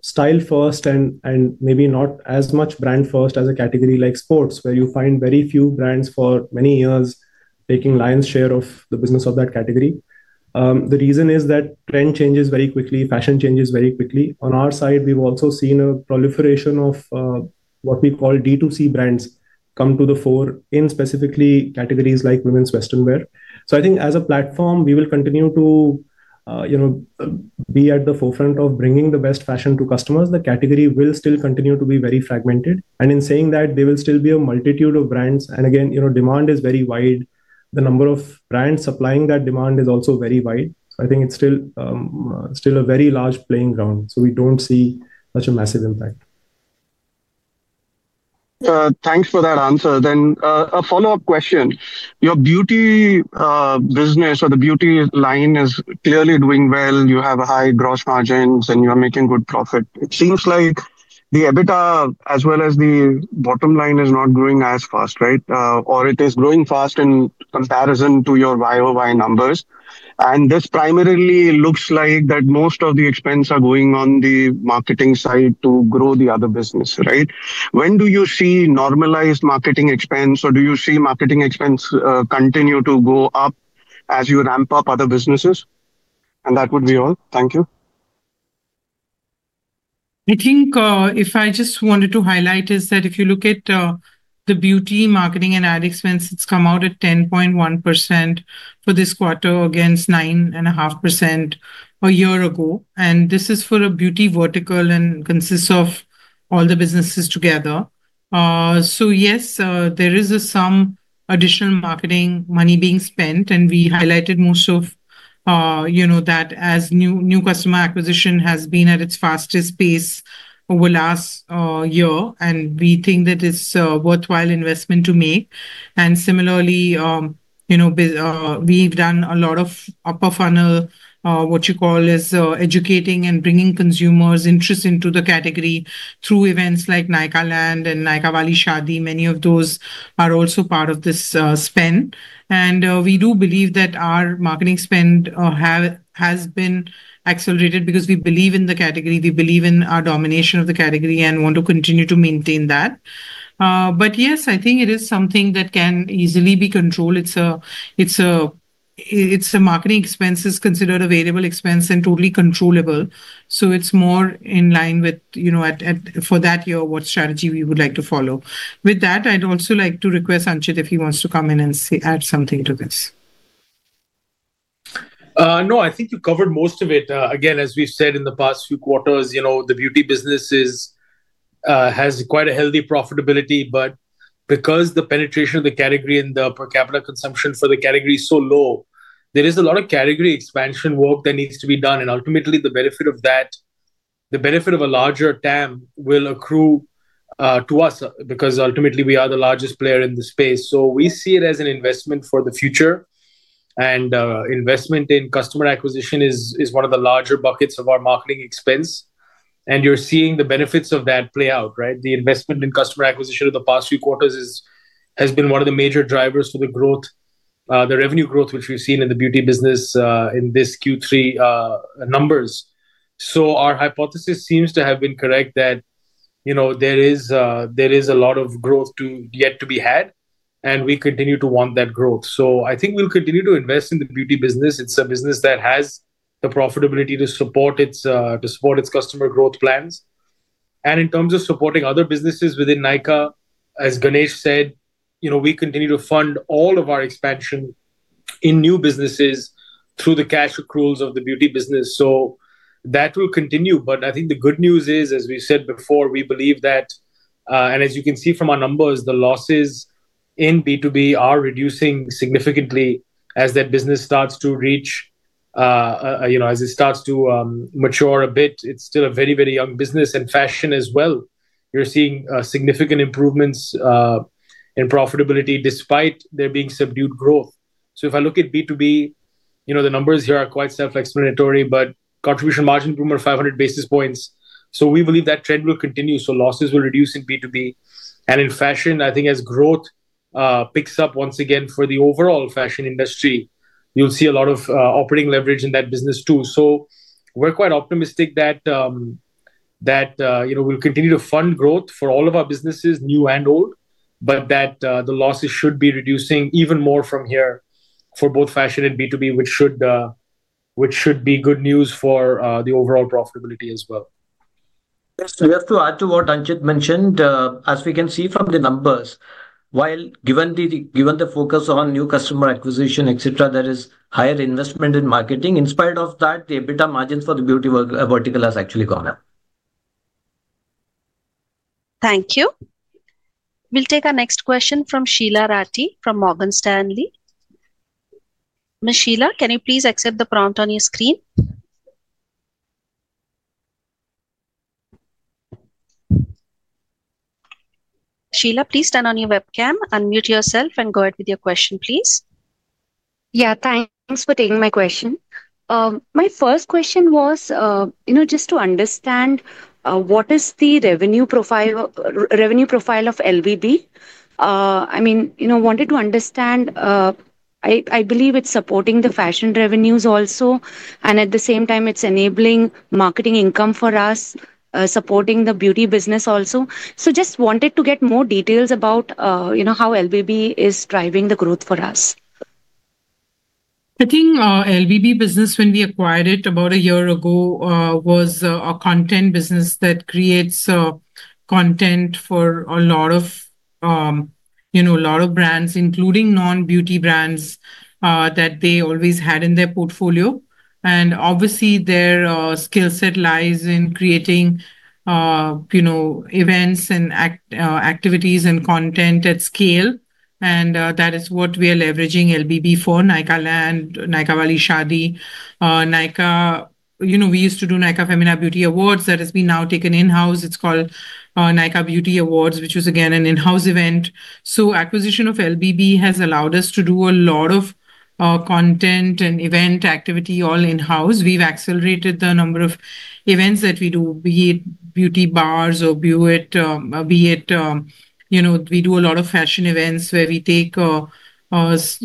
style-first and maybe not as much brand-first as a category like sports, where you find very few brands for many years taking lion's share of the business of that category. The reason is that trend changes very quickly, fashion changes very quickly. On our side, we've also seen a proliferation of what we call D2C brands come to the fore in specifically categories like women's Western wear. So I think as a platform, we will continue to be at the forefront of bringing the best fashion to customers. The category will still continue to be very fragmented. And in saying that, there will still be a multitude of brands. And again, demand is very wide. The number of brands supplying that demand is also very wide. So I think it's still a very large playing ground. So we don't see such a massive impact. Thanks for that answer. Then a follow-up question. Your beauty business or the beauty line is clearly doing well. You have high gross margins and you are making good profit. It seems like the EBITDA as well as the bottom line is not growing as fast, right? Or it is growing fast in comparison to your YoY numbers. And this primarily looks like that most of the expense are going on the marketing side to grow the other business, right? When do you see normalized marketing expense or do you see marketing expense continue to go up as you ramp up other businesses? And that would be all. Thank you. I think if I just wanted to highlight is that if you look at the beauty marketing and ad expense, it's come out at 10.1% for this quarter against 9.5% a year ago. And this is for a beauty vertical and consists of all the businesses together. So yes, there is some additional marketing money being spent. And we highlighted most of that as new customer acquisition has been at its fastest pace over the last year. And we think that it's a worthwhile investment to make. And similarly, we've done a lot of upper funnel, what you call is educating and bringing consumers' interest into the category through events like NYKAALAND and Nykaa Wali Shaadi. Many of those are also part of this spend. And we do believe that our marketing spend has been accelerated because we believe in the category. We believe in our domination of the category and want to continue to maintain that. But yes, I think it is something that can easily be controlled. It's a marketing expense that's considered a variable expense and totally controllable. So it's more in line with, for that year, what strategy we would like to follow. With that, I'd also like to request Anchit if he wants to come in and add something to this. No, I think you covered most of it. Again, as we've said in the past few quarters, the beauty business has quite a healthy profitability. But because the penetration of the category and the per capita consumption for the category is so low, there is a lot of category expansion work that needs to be done. And ultimately, the benefit of that, the benefit of a larger TAM will accrue to us because ultimately, we are the largest player in the space. So we see it as an investment for the future. And investment in customer acquisition is one of the larger buckets of our marketing expense. And you're seeing the benefits of that play out, right? The investment in customer acquisition of the past few quarters has been one of the major drivers for the growth, the revenue growth, which we've seen in the beauty business in these Q3 numbers, so our hypothesis seems to have been correct that there is a lot of growth yet to be had, and we continue to want that growth. So I think we'll continue to invest in the beauty business. It's a business that has the profitability to support its customer growth plans, and in terms of supporting other businesses within Nykaa, as Ganesh said, we continue to fund all of our expansion in new businesses through the cash accruals of the beauty business, so that will continue. But I think the good news is, as we said before, we believe that, and as you can see from our numbers, the losses in B2B are reducing significantly as that business starts to reach, as it starts to mature a bit. It's still a very, very young business. And fashion as well, you're seeing significant improvements in profitability despite there being subdued growth. So if I look at B2B, the numbers here are quite self-explanatory, but contribution margin improvement of 500 basis points. So we believe that trend will continue. So losses will reduce in B2B. And in fashion, I think as growth picks up once again for the overall fashion industry, you'll see a lot of operating leverage in that business too. So we're quite optimistic that we'll continue to fund growth for all of our businesses, new and old, but that the losses should be reducing even more from here for both fashion and B2B, which should be good news for the overall profitability as well. We have to add to what Anchit mentioned. As we can see from the numbers, while given the focus on new customer acquisition, etc., there is higher investment in marketing. In spite of that, the EBITDA margin for the beauty vertical has actually gone up. Thank you. We'll take our next question from Sheela Rathi from Morgan Stanley. Ms. Sheela, can you please accept the prompt on your screen? Sheela, please turn on your webcam, unmute yourself, and go ahead with your question, please. Yeah, thanks for taking my question. My first question was just to understand what is the revenue profile of LBB? I mean, wanted to understand, I believe it's supporting the fashion revenues also, and at the same time, it's enabling marketing income for us, supporting the beauty business also, so just wanted to get more details about how LBB is driving the growth for us. I think LBB business, when we acquired it about a year ago, was a content business that creates content for a lot of brands, including non-beauty brands that they always had in their portfolio. Obviously, their skill set lies in creating events and activities and content at scale. That is what we are leveraging LBB for: NYKAALAND, Nykaa Wali Shaadi, Nykaa. We used to do Nykaa Femina Beauty Awards that has been now taken in-house. It's called Nykaa Beauty Awards, which was again an in-house event. Acquisition of LBB has allowed us to do a lot of content and event activity all in-house. We've accelerated the number of events that we do, be it beauty bars or be it we do a lot of fashion events where we take it's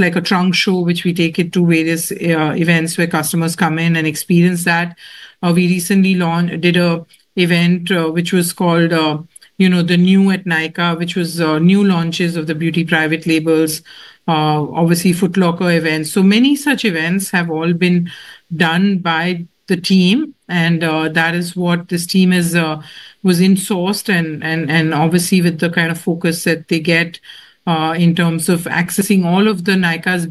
like a trunk show, which we take it to various events where customers come in and experience that. We recently did an event which was called The New at Nykaa, which was new launches of the beauty private labels, obviously Foot Locker events. So many such events have all been done by the team, and that is what this team was insourced. And obviously, with the kind of focus that they get in terms of accessing all of the Nykaa's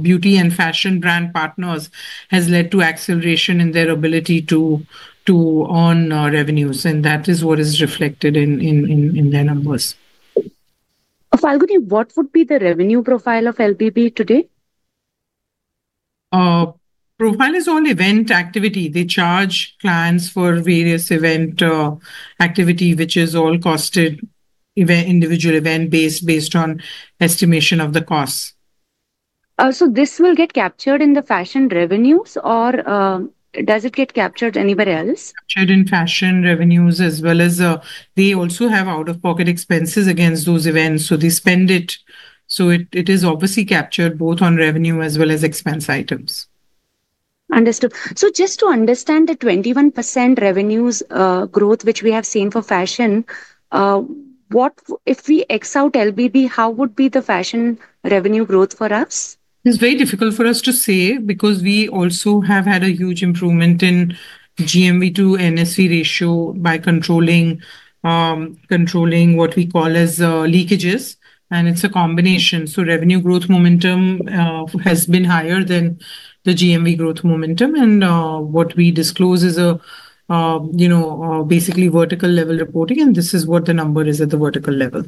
beauty and fashion brand partners has led to acceleration in their ability to earn revenues, and that is what is reflected in their numbers. Falguni Nayar, what would be the revenue profile of LBB today? Profile is all event activity. They charge clients for various event activity, which is all costed individual event-based on estimation of the costs. This will get captured in the fashion revenues, or does it get captured anywhere else? Captured in fashion revenues as well as they also have out-of-pocket expenses against those events. So they spend it. So it is obviously captured both on revenue as well as expense items. Understood. So just to understand the 21% revenues growth, which we have seen for fashion, if we X out LBB, how would be the fashion revenue growth for us? It's very difficult for us to say because we also have had a huge improvement in GMV to NSV ratio by controlling what we call as leakages. And it's a combination. So revenue growth momentum has been higher than the GMV growth momentum. And what we disclose is basically vertical level reporting. And this is what the number is at the vertical level.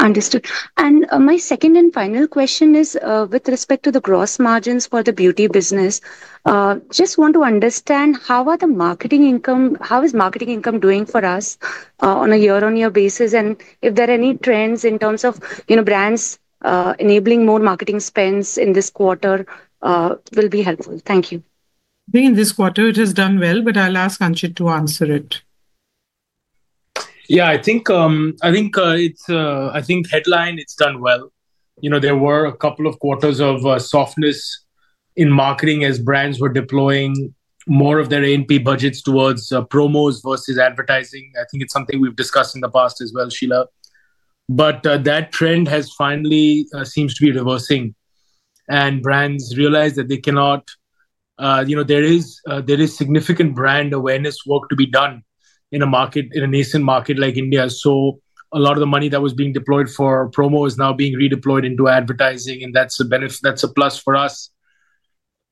Understood. And my second and final question is with respect to the gross margins for the beauty business. Just want to understand how is marketing income doing for us on a year-on-year basis? And if there are any trends in terms of brands enabling more marketing spends in this quarter, it will be helpful. Thank you. I think in this quarter, it has done well, but I'll ask Anchit to answer it. Yeah, I think headline, it's done well. There were a couple of quarters of softness in marketing as brands were deploying more of their A&P budgets towards promos versus advertising. I think it's something we've discussed in the past as well, Sheela. But that trend has finally seemed to be reversing. And brands realize that there is significant brand awareness work to be done in a market, in a nascent market like India. So a lot of the money that was being deployed for promo is now being redeployed into advertising. And that's a plus for us.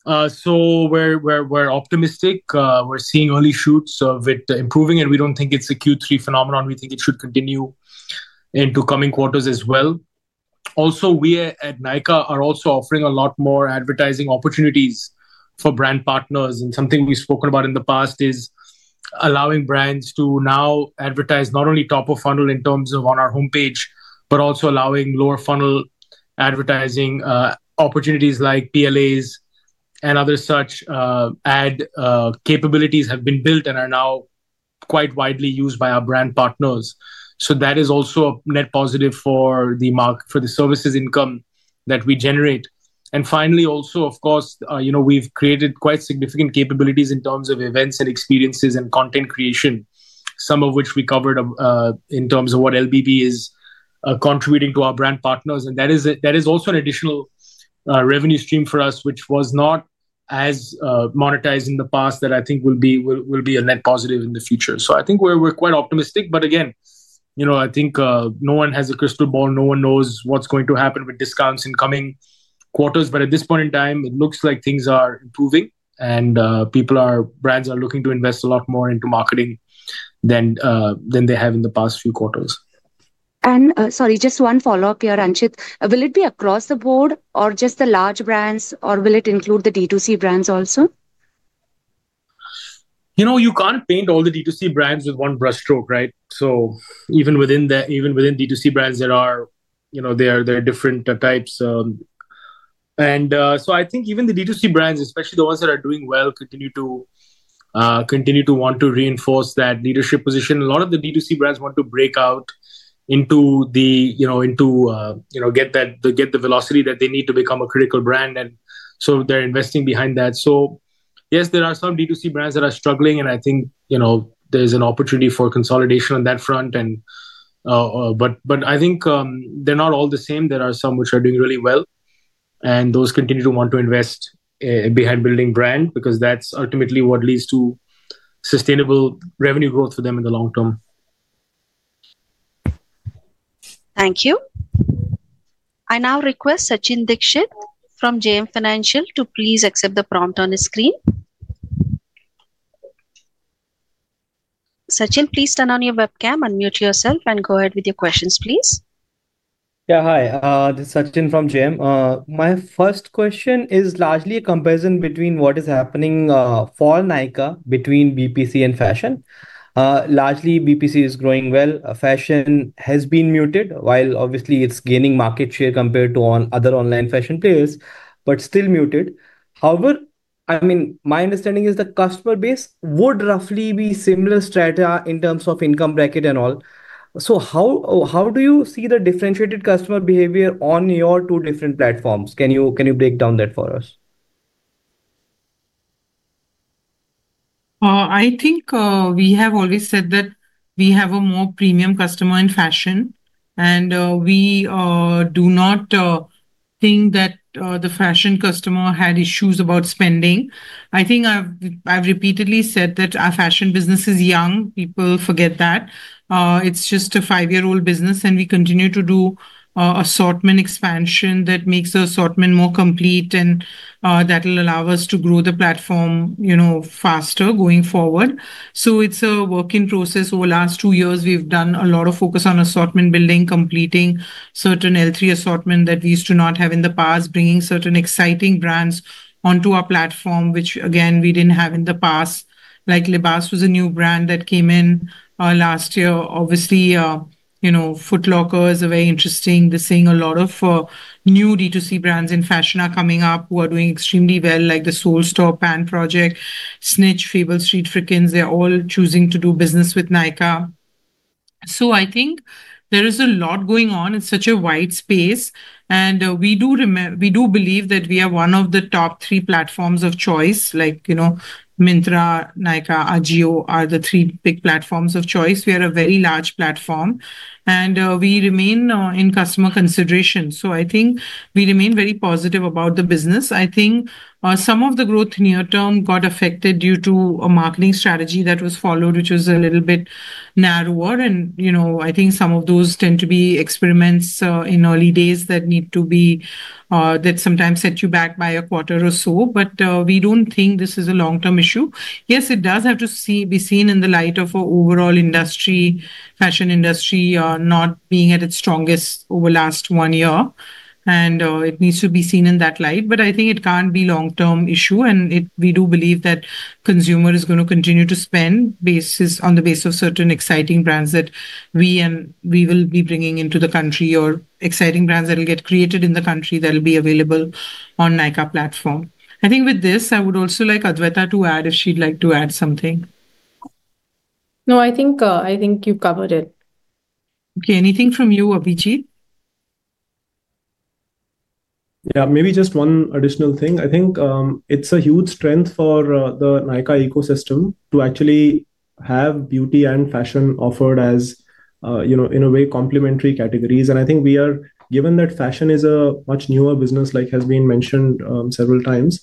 So we're optimistic. We're seeing early shoots of it improving. And we don't think it's a Q3 phenomenon. We think it should continue into coming quarters as well. Also, we at Nykaa are also offering a lot more advertising opportunities for brand partners. Something we've spoken about in the past is allowing brands to now advertise not only top of funnel in terms of on our homepage, but also allowing lower funnel advertising opportunities like PLAs and other such ad capabilities have been built and are now quite widely used by our brand partners. That is also a net positive for the services income that we generate. Finally, also, of course, we've created quite significant capabilities in terms of events and experiences and content creation, some of which we covered in terms of what LBB is contributing to our brand partners. That is also an additional revenue stream for us, which was not as monetized in the past, that I think will be a net positive in the future. I think we're quite optimistic. Again, I think no one has a crystal ball. No one knows what's going to happen with discounts in coming quarters. But at this point in time, it looks like things are improving. And brands are looking to invest a lot more into marketing than they have in the past few quarters. And sorry, just one follow-up here, Anchit. Will it be across the board or just the large brands, or will it include the D2C brands also? You can't paint all the D2C brands with one brushstroke, right, so even within D2C brands, there are different types. And so I think even the D2C brands, especially the ones that are doing well, continue to want to reinforce that leadership position, a lot of the D2C brands want to break out to get the velocity that they need to become a critical brand, and so they're investing behind that, so yes, there are some D2C brands that are struggling, and I think there's an opportunity for consolidation on that front, but I think they're not all the same. There are some which are doing really well, and those continue to want to invest behind building brand because that's ultimately what leads to sustainable revenue growth for them in the long term. Thank you. I now request Sachin Dixit from JM Financial to please accept the prompt on his screen. Sachin, please turn on your webcam, unmute yourself, and go ahead with your questions, please. Yeah, hi. This is Sachin from JM. My first question is largely a comparison between what is happening for Nykaa between BPC and fashion. Largely, BPC is growing well. Fashion has been muted while obviously it's gaining market share compared to other online fashion players, but still muted. However, I mean, my understanding is the customer base would roughly be similar in terms of income bracket and all. So how do you see the differentiated customer behavior on your two different platforms? Can you break down that for us? I think we have always said that we have a more premium customer in fashion, and we do not think that the fashion customer had issues about spending. I think I've repeatedly said that our fashion business is young. People forget that. It's just a five-year-old business, and we continue to do assortment expansion that makes the assortment more complete, and that will allow us to grow the platform faster going forward, so it's a working process. Over the last two years, we've done a lot of focus on assortment building, completing certain L3 assortment that we used to not have in the past, bringing certain exciting brands onto our platform, which again, we didn't have in the past. Like Libas was a new brand that came in last year. Obviously, Foot Locker is very interesting. They're seeing a lot of new D2C brands in fashion are coming up who are doing extremely well, like The Souled Store and Snitch, FableStreet, Freakins. They're all choosing to do business with Nykaa, so I think there is a lot going on. It's such a wide space, and we do believe that we are one of the top three platforms of choice, like Myntra, Nykaa, Ajio are the three big platforms of choice. We are a very large platform, and we remain in customer consideration, so I think we remain very positive about the business. I think some of the growth near-term got affected due to a marketing strategy that was followed, which was a little bit narrower, and I think some of those tend to be experiments in early days that sometimes set you back by a quarter or so. But we don't think this is a long-term issue. Yes, it does have to be seen in the light of our overall industry, fashion industry not being at its strongest over the last one year. And it needs to be seen in that light. But I think it can't be a long-term issue. And we do believe that consumers are going to continue to spend on the basis of certain exciting brands that we will be bringing into the country or exciting brands that will get created in the country that will be available on Nykaa platform. I think with this, I would also like Adwaita to add if she'd like to add something. No, I think you covered it. Okay. Anything from you, Abhijeet? Yeah, maybe just one additional thing. I think it's a huge strength for the Nykaa ecosystem to actually have beauty and fashion offered as, in a way, complementary categories. And I think we are, given that fashion is a much newer business, like has been mentioned several times,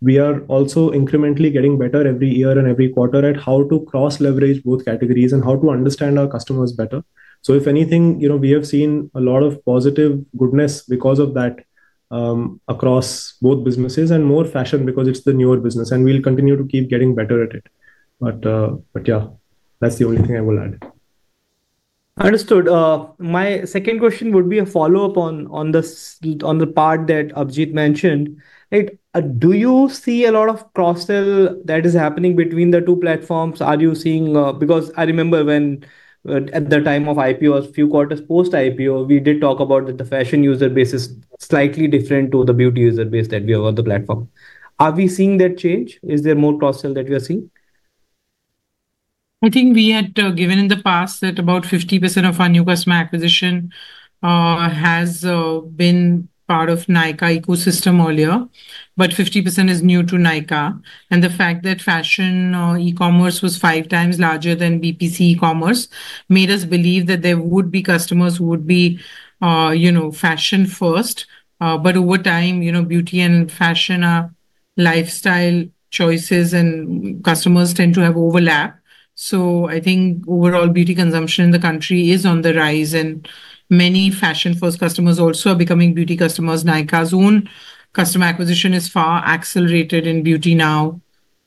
we are also incrementally getting better every year and every quarter at how to cross-leverage both categories and how to understand our customers better. So if anything, we have seen a lot of positive goodness because of that across both businesses and more fashion because it's the newer business. And we'll continue to keep getting better at it. But yeah, that's the only thing I will add. Understood. My second question would be a follow-up on the part that Abhijeet mentioned. Do you see a lot of cross-sell that is happening between the two platforms? Are you seeing, because I remember when at the time of IPO, a few quarters post-IPO, we did talk about that the fashion user base is slightly different to the beauty user base that we have on the platform. Are we seeing that change? Is there more cross-sell that we are seeing? I think we had given in the past that about 50% of our new customer acquisition has been part of Nykaa ecosystem earlier. But 50% is new to Nykaa. And the fact that fashion e-commerce was five times larger than BPC e-commerce made us believe that there would be customers who would be fashion-first. But over time, beauty and fashion are lifestyle choices, and customers tend to have overlap. So I think overall beauty consumption in the country is on the rise. And many fashion-first customers also are becoming beauty customers. Nykaa's own customer acquisition is far accelerated in beauty now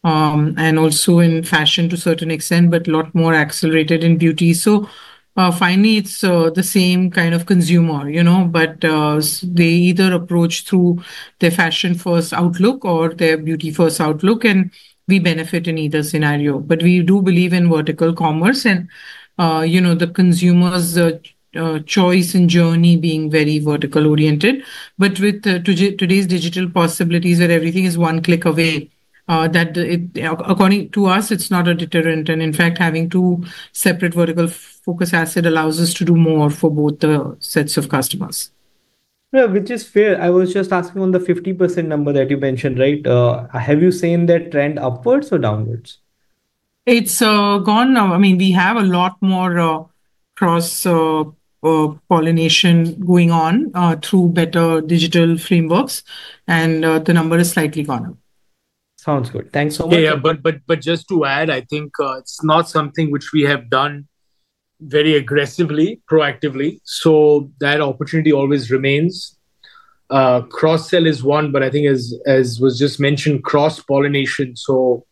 and also in fashion to a certain extent, but a lot more accelerated in beauty. So finally, it's the same kind of consumer. But they either approach through their fashion-first outlook or their beauty-first outlook. And we benefit in either scenario. But we do believe in vertical commerce and the consumer's choice and journey being very vertical-oriented. But with today's digital possibilities, where everything is one click away, according to us, it's not a deterrent. And in fact, having two separate vertical focus assets allows us to do more for both the sets of customers. Yeah, which is fair. I was just asking on the 50% number that you mentioned, right? Have you seen that trend upwards or downwards? It's gone. I mean, we have a lot more cross-pollination going on through better digital frameworks, and the number is slightly gone up. Sounds good. Thanks so much, But just to add, I think it's not something which we have done very aggressively, proactively, so that opportunity always remains. Cross-sell is one, but I think, as was just mentioned, cross-pollination, so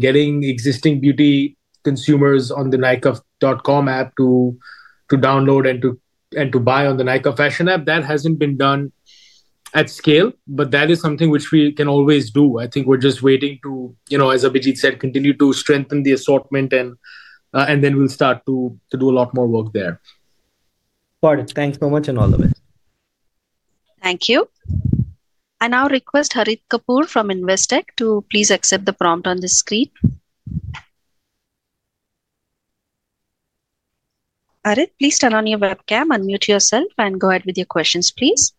getting existing beauty consumers on the Nykaa.com app to download and to buy on the Nykaa fashion app, that hasn't been done at scale, but that is something which we can always do. I think we're just waiting to, as Abhijeet said, continue to strengthen the assortment, and then we'll start to do a lot more work there. Got it. Thanks so much and all the best. Thank you. I now request Harit Kapoor from Investec to please accept the prompt on the screen. Harit, please turn on your webcam, unmute yourself, and go ahead with your questions, please.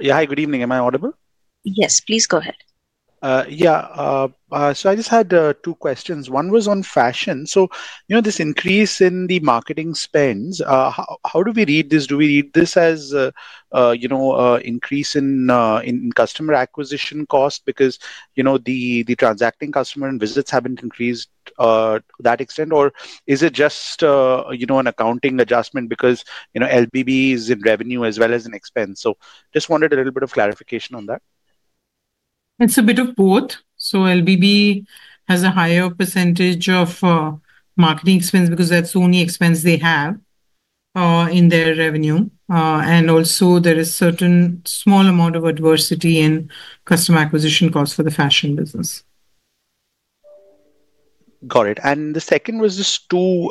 Yeah, hi. Good evening. Am I audible? Yes, please go ahead. Yeah. So I just had two questions. One was on fashion. So this increase in the marketing spends, how do we read this? Do we read this as an increase in customer acquisition costs because the transacting customer and visits haven't increased to that extent? Or is it just an accounting adjustment because LBB is in revenue as well as in expense? So just wanted a little bit of clarification on that. It's a bit of both. So LBB has a higher percentage of marketing expense because that's the only expense they have in their revenue. And also, there is a certain small amount of advertising in customer acquisition costs for the fashion business. Got it. And the second was just two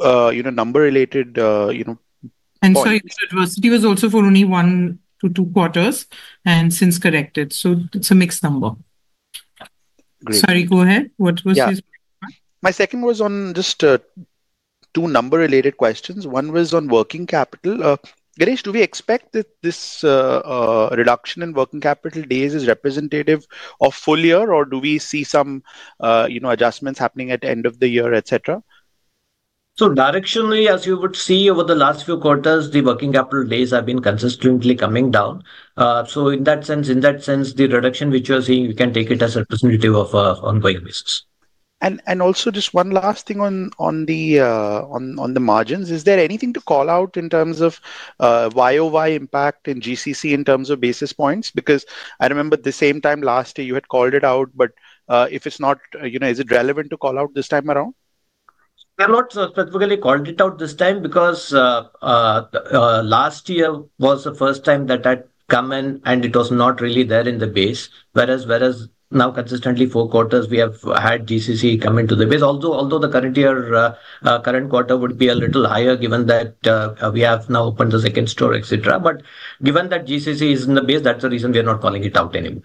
number-related. Sorry, the adversity was also for only one to two quarters and since corrected. It's a mixed number. Great. Sorry, go ahead. What was this? My second was on just two number-related questions. One was on working capital. Ganesh, do we expect that this reduction in working capital days is representative of full year, or do we see some adjustments happening at the end of the year, etc.? So directionally, as you would see over the last few quarters, the working capital days have been consistently coming down. So in that sense, the reduction which you are seeing, we can take it as a representative of an ongoing basis. And also just one last thing on the margins. Is there anything to call out in terms of YoY impact and GCC in terms of basis points? Because I remember the same time last year, you had called it out. But if it's not, is it relevant to call out this time around? We have not specifically called it out this time because last year was the first time that had come in, and it was not really there in the base. Whereas now, consistently four quarters, we have had GCC come into the base. Although the current year's current quarter would be a little higher given that we have now opened the second store, etc. But given that GCC is in the base, that's the reason we are not calling it out anymore.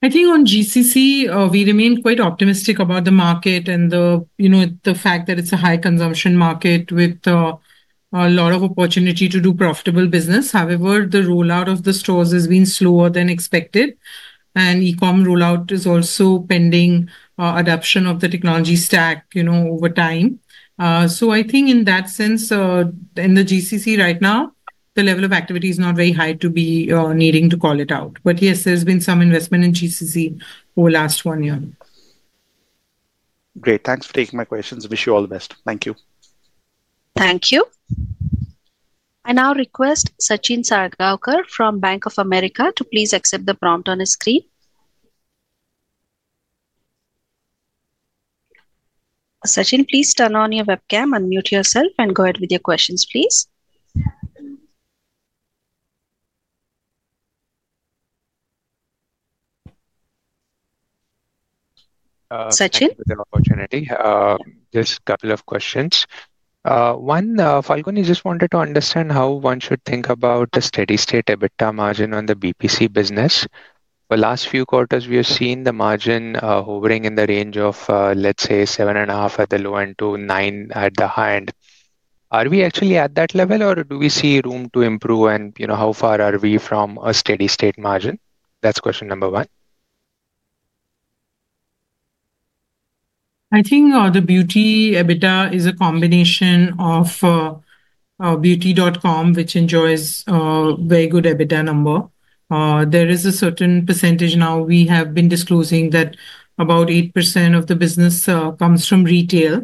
I think on GCC, we remain quite optimistic about the market and the fact that it's a high-consumption market with a lot of opportunity to do profitable business. However, the rollout of the stores has been slower than expected. And e-com roll-out is also pending adoption of the technology stack over time. So I think in that sense, in the GCC right now, the level of activity is not very high to be needing to call it out. But yes, there's been some investment in GCC over the last one year. Great. Thanks for taking my questions. Wish you all the best. Thank you. Thank you. I now request Sachin Salgaonkar from Bank of America to please accept the prompt on his screen. Sachin, please turn on your webcam, unmute yourself, and go ahead with your questions, please. Sachin? With an opportunity, just a couple of questions. One, Falguni, I just wanted to understand how one should think about the steady-state EBITDA margin on the BPC business. The last few quarters, we have seen the margin hovering in the range of, let's say, 7.5% at the low end to 9% at the high end. Are we actually at that level, or do we see room to improve? And how far are we from a steady-state margin? That's question number one. I think the beauty EBITDA is a combination of Beauty.com, which enjoys a very good EBITDA number. There is a certain percentage now. We have been disclosing that about 8% of the business comes from retail,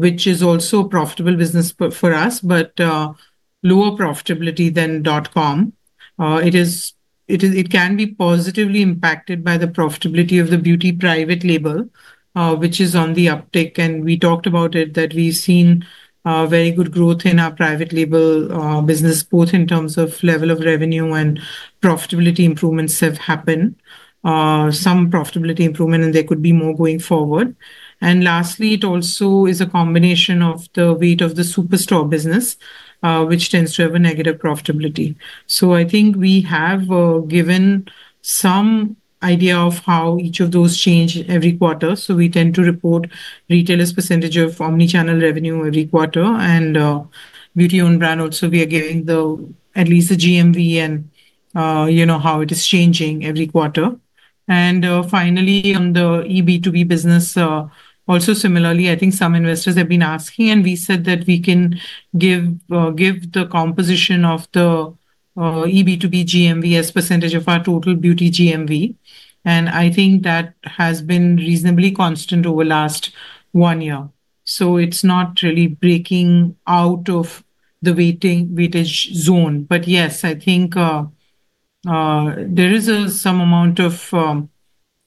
which is also a profitable business for us, but lower profitability than Dot-Com. It can be positively impacted by the profitability of the beauty private label, which is on the uptick. We talked about it, that we've seen very good growth in our private label business, both in terms of level of revenue and profitability improvements have happened, some profitability improvement, and there could be more going forward. Lastly, it also is a combination of the weight of the Superstore business, which tends to have a negative profitability. I think we have given some idea of how each of those change every quarter. So we tend to report retailers' percentage of omnichannel revenue every quarter. And beauty-owned brand, also, we are giving at least the GMV and how it is changing every quarter. And finally, on the E-B2B business, also similarly, I think some investors have been asking, and we said that we can give the composition of the E-B2B GMV as percentage of our total beauty GMV. And I think that has been reasonably constant over the last one year. So it's not really breaking out of the weightage zone. But yes, I think there is some amount of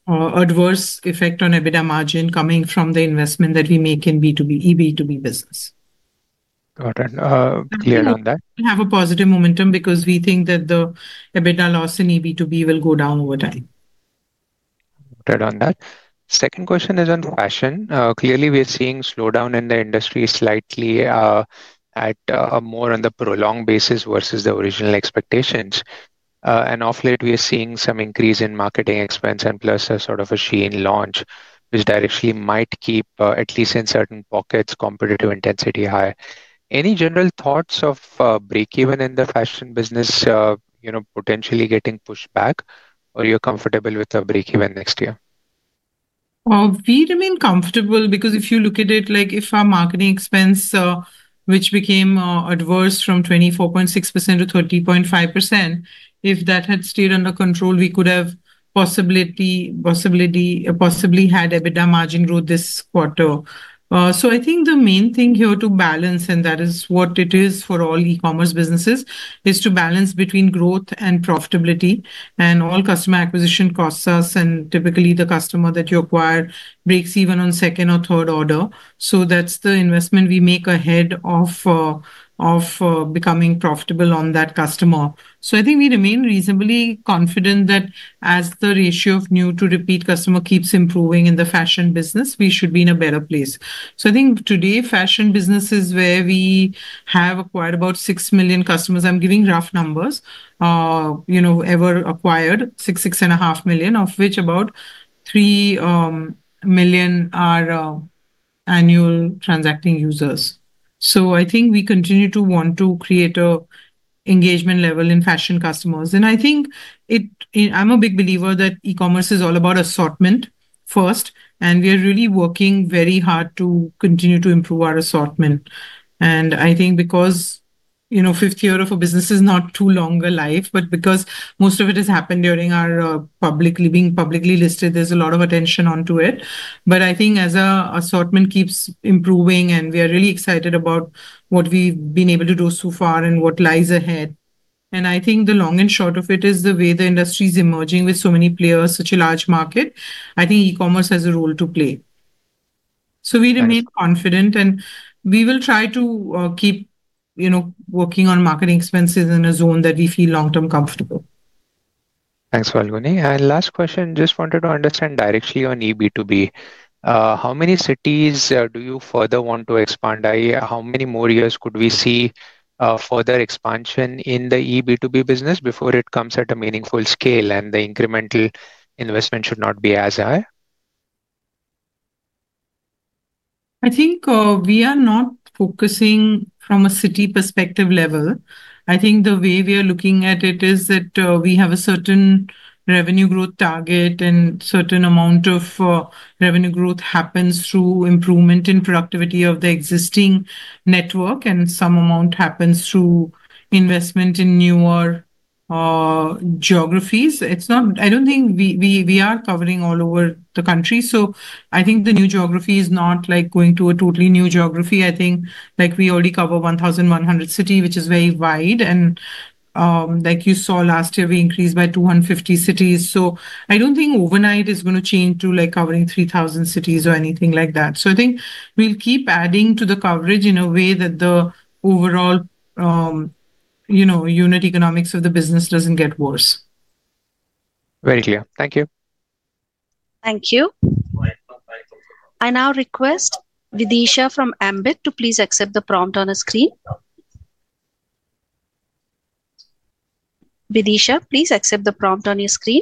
adverse effect on EBITDA margin coming from the investment that we make in E-B2B business. Got it. Clear on that. We have a positive momentum because we think that the EBITDA loss in E-B2B will go down over time. Got it on that. Second question is on fashion. Clearly, we are seeing a slowdown in the industry slightly on a more prolonged basis versus the original expectations. And of late, we are seeing some increase in marketing expense and plus a sort of a Shein launch, which directly might keep, at least in certain pockets, competitive intensity high. Any general thoughts on break-even in the fashion business potentially getting pushed back, or you're comfortable with a break-even next year? We remain comfortable because if you look at it, if our marketing expense, which became adverse from 24.6%-30.5%, if that had stayed under control, we could have possibly had EBITDA margin growth this quarter. So I think the main thing here to balance, and that is what it is for all e-commerce businesses, is to balance between growth and profitability. And all customer acquisition costs us, and typically, the customer that you acquire breaks even on second or third order. So that's the investment we make ahead of becoming profitable on that customer. So I think we remain reasonably confident that as the ratio of new to repeat customer keeps improving in the fashion business, we should be in a better place. So, I think today, fashion businesses where we have acquired about 6 million customers. I'm giving rough numbers ever acquired, 6 million, 6.5 million, of which about 3 million are annual transacting users. I think we continue to want to create an engagement level in fashion customers. I think I'm a big believer that e-commerce is all about assortment first. We are really working very hard to continue to improve our assortment. I think because the fifth year of a business is not too long a life, but because most of it has happened during our publicly being publicly listed, there's a lot of attention onto it. I think as our assortment keeps improving, and we are really excited about what we've been able to do so far and what lies ahead. And I think the long and short of it is the way the industry is emerging with so many players, such a large market. I think e-commerce has a role to play. So we remain confident, and we will try to keep working on marketing expenses in a zone that we feel long-term comfortable. Thanks, Falguni. Last question, just wanted to understand directly on E-B2B. How many cities do you further want to expand? How many more years could we see further expansion in the E-B2B business before it comes at a meaningful scale and the incremental investment should not be as high? I think we are not focusing from a city perspective level. I think the way we are looking at it is that we have a certain revenue growth target, and a certain amount of revenue growth happens through improvement in productivity of the existing network, and some amount happens through investment in newer geographies. I don't think we are covering all over the country. So I think the new geography is not like going to a totally new geography. I think we already cover 1,100 cities, which is very wide, and like you saw last year, we increased by 2,150 cities, so I don't think overnight it's going to change to covering 3,000 cities or anything like that. So I think we'll keep adding to the coverage in a way that the overall unit economics of the business doesn't get worse. Very clear. Thank you. Thank you. I now request Videesha from Ambit to please accept the prompt on her screen. Videesha, please accept the prompt on your screen.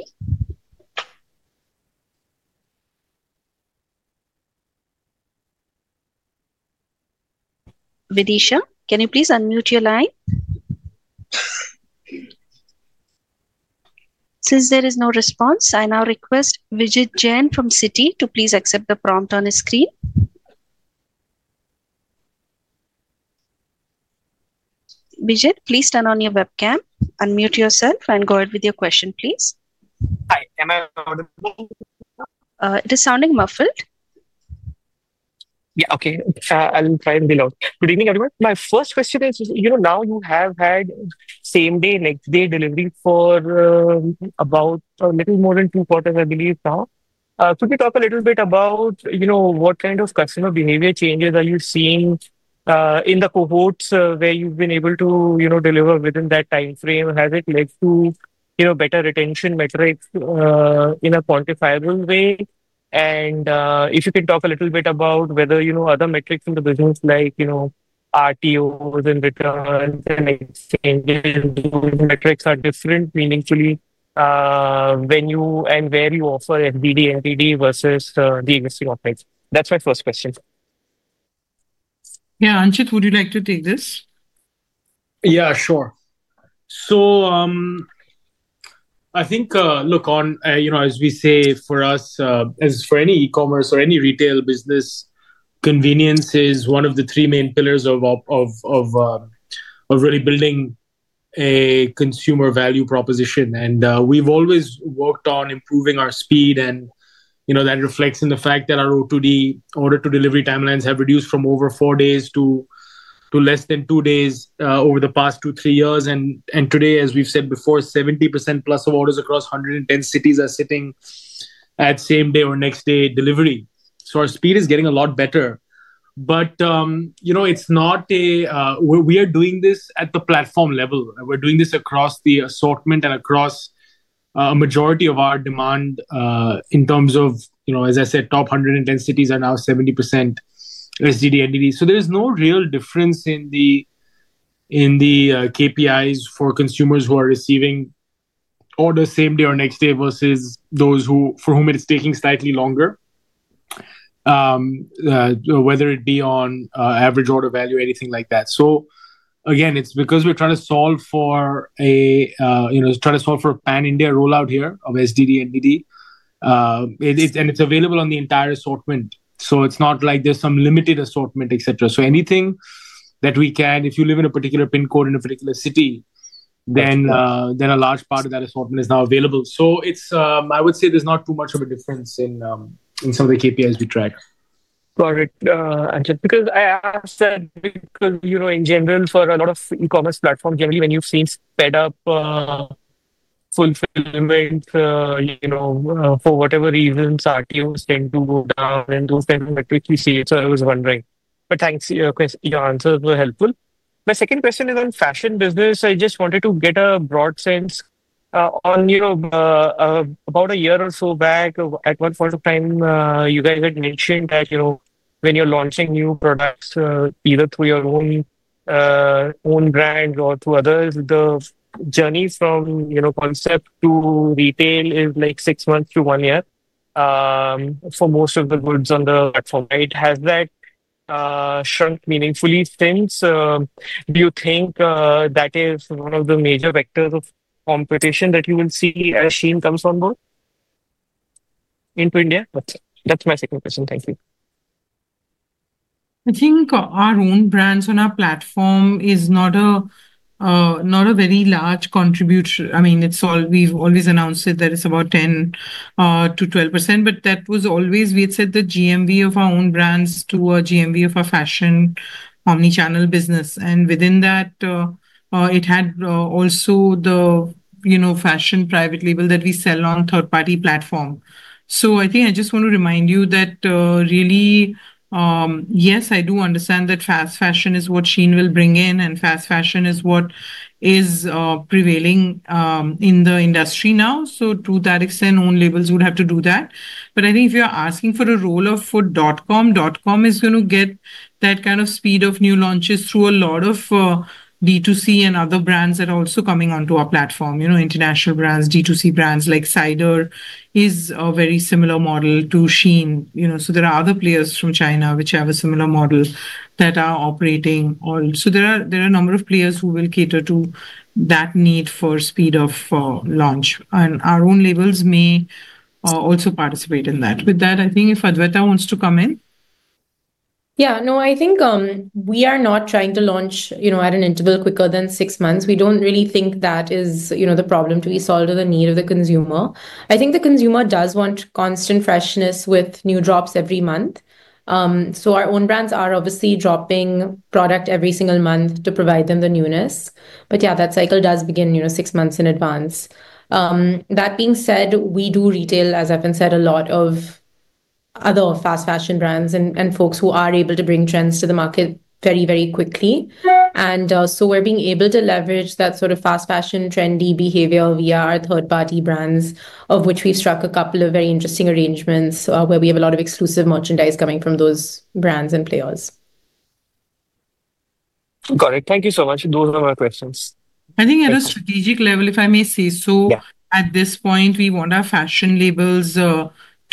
Videesha, can you please unmute your line? Since there is no response, I now request Vijit Jain from Citi to please accept the prompt on his screen. Vijit, please turn on your webcam, unmute yourself, and go ahead with your question, please. Hi. Am I audible? It is sounding muffled. Yeah. Okay. I'll try and be loud. Good evening, everyone. My first question is, now you have had same-day delivery for about a little more than two quarters, I believe, now. Could we talk a little bit about what kind of customer behavior changes are you seeing in the cohorts where you've been able to deliver within that time frame? Has it led to better retention metrics in a quantifiable way? And if you can talk a little bit about whether other metrics in the business, like RTOs and returns and exchanges, those metrics are different meaningfully when you and where you offer SDD, NDD versus the existing offerings. That's my first question. Yeah. Anchit, would you like to take this? Yeah, sure. So I think, look, as we say, for us, as for any e-commerce or any retail business, convenience is one of the three main pillars of really building a consumer value proposition. And we've always worked on improving our speed, and that reflects in the fact that our OTD, order-to-delivery timelines, have reduced from over four days to less than two days over the past two, three years. And today, as we've said before, 70%+ of orders across 110 cities are sitting at same-day or next-day delivery. So our speed is getting a lot better. But it's not that we are doing this at the platform level. We're doing this across the assortment and across a majority of our demand in terms of, as I said, top 110 cities are now 70% SDD, NDD. So there is no real difference in the KPIs for consumers who are receiving orders same-day or next-day versus those for whom it's taking slightly longer, whether it be on average order value, anything like that. So again, it's because we're trying to solve for a pan-India rollout here of SDD, NDD. And it's available on the entire assortment. So it's not like there's some limited assortment, etc. So anything that we can, if you live in a particular PIN code in a particular city, then a large part of that assortment is now available. So I would say there's not too much of a difference in some of the KPIs we track. Got it. Anchit, because I asked that because in general, for a lot of e-commerce platforms, generally, when you've seen sped-up fulfillment for whatever reasons, RTOs tend to go down and those kinds of metrics we see. So I was wondering. But thanks. Your answers were helpful. My second question is on fashion business. I just wanted to get a broad sense on about a year or so back, at one point of time, you guys had mentioned that when you're launching new products, either through your own brand or through others, the journey from concept to retail is like six months to one year for most of the goods on the platform. Has that shrunk meaningfully since? Do you think that is one of the major vectors of competition that you will see as Shein comes on board into India? That's my second question. Thank you. I think our own brands on our platform is not a very large contribution. I mean, we've always announced it that it's about 10%-12%, but that was always we had said the GMV of our own brands to our GMV of our fashion omnichannel business, and within that, it had also the fashion private label that we sell on a third-party platform. So I think I just want to remind you that really, yes, I do understand that fast fashion is what Shein will bring in, and fast fashion is what is prevailing in the industry now. So to that extent, own labels would have to do that. But I think if you're asking for a rollout for Dot-com, Dot-com is going to get that kind of speed of new launches through a lot of D2C and other brands that are also coming onto our platform. International brands, D2C brands like Cider is a very similar model to Shein. So there are other players from China which have a similar model that are operating all. So there are a number of players who will cater to that need for speed of launch. And our own labels may also participate in that. With that, I think if Adwaita wants to come in. Yeah. No, I think we are not trying to launch at an interval quicker than six months. We don't really think that is the problem to be solved or the need of the consumer. I think the consumer does want constant freshness with new drops every month. So our own brands are obviously dropping product every single month to provide them the newness. But yeah, that cycle does begin six months in advance. That being said, we do retail, as Evan said, a lot of other fast fashion brands and folks who are able to bring trends to the market very, very quickly. And so we're being able to leverage that sort of fast fashion trendy behavior via our third-party brands, of which we've struck a couple of very interesting arrangements where we have a lot of exclusive merchandise coming from those brands and players. Got it. Thank you so much. Those are my questions. I think at a strategic level, if I may say so, at this point, we want our fashion labels to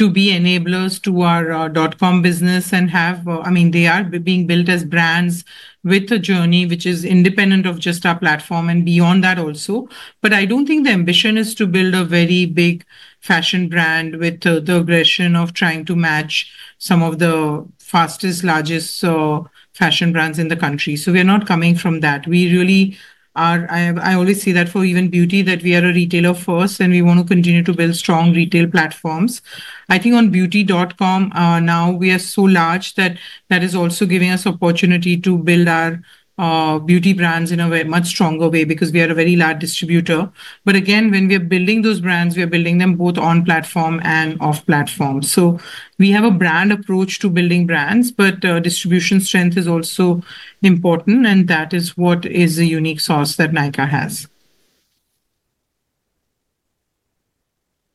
be enablers to our Dot-Com business and, I mean, they are being built as brands with a journey which is independent of just our platform and beyond that also. But I don't think the ambition is to build a very big fashion brand with the aggression of trying to match some of the fastest, largest fashion brands in the country. So we are not coming from that. I always see that for even beauty that we are a retailer first, and we want to continue to build strong retail platforms. I think on beauty.com now, we are so large that that is also giving us opportunity to build our beauty brands in a much stronger way because we are a very large distributor. But again, when we are building those brands, we are building them both on platform and off platform. So we have a brand approach to building brands, but distribution strength is also important, and that is what is a unique source that Nykaa has.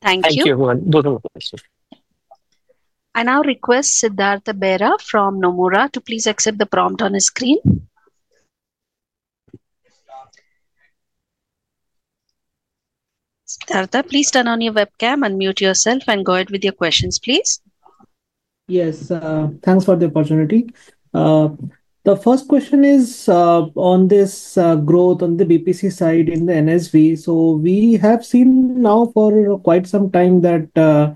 Thank you. Thank you. Both of them. I now request Siddhartha Bera from Nomura to please accept the prompt on his screen. Siddhartha, please turn on your webcam, unmute yourself, and go ahead with your questions, please. Yes. Thanks for the opportunity. The first question is on this growth on the BPC side in the NSV. So we have seen now for quite some time that the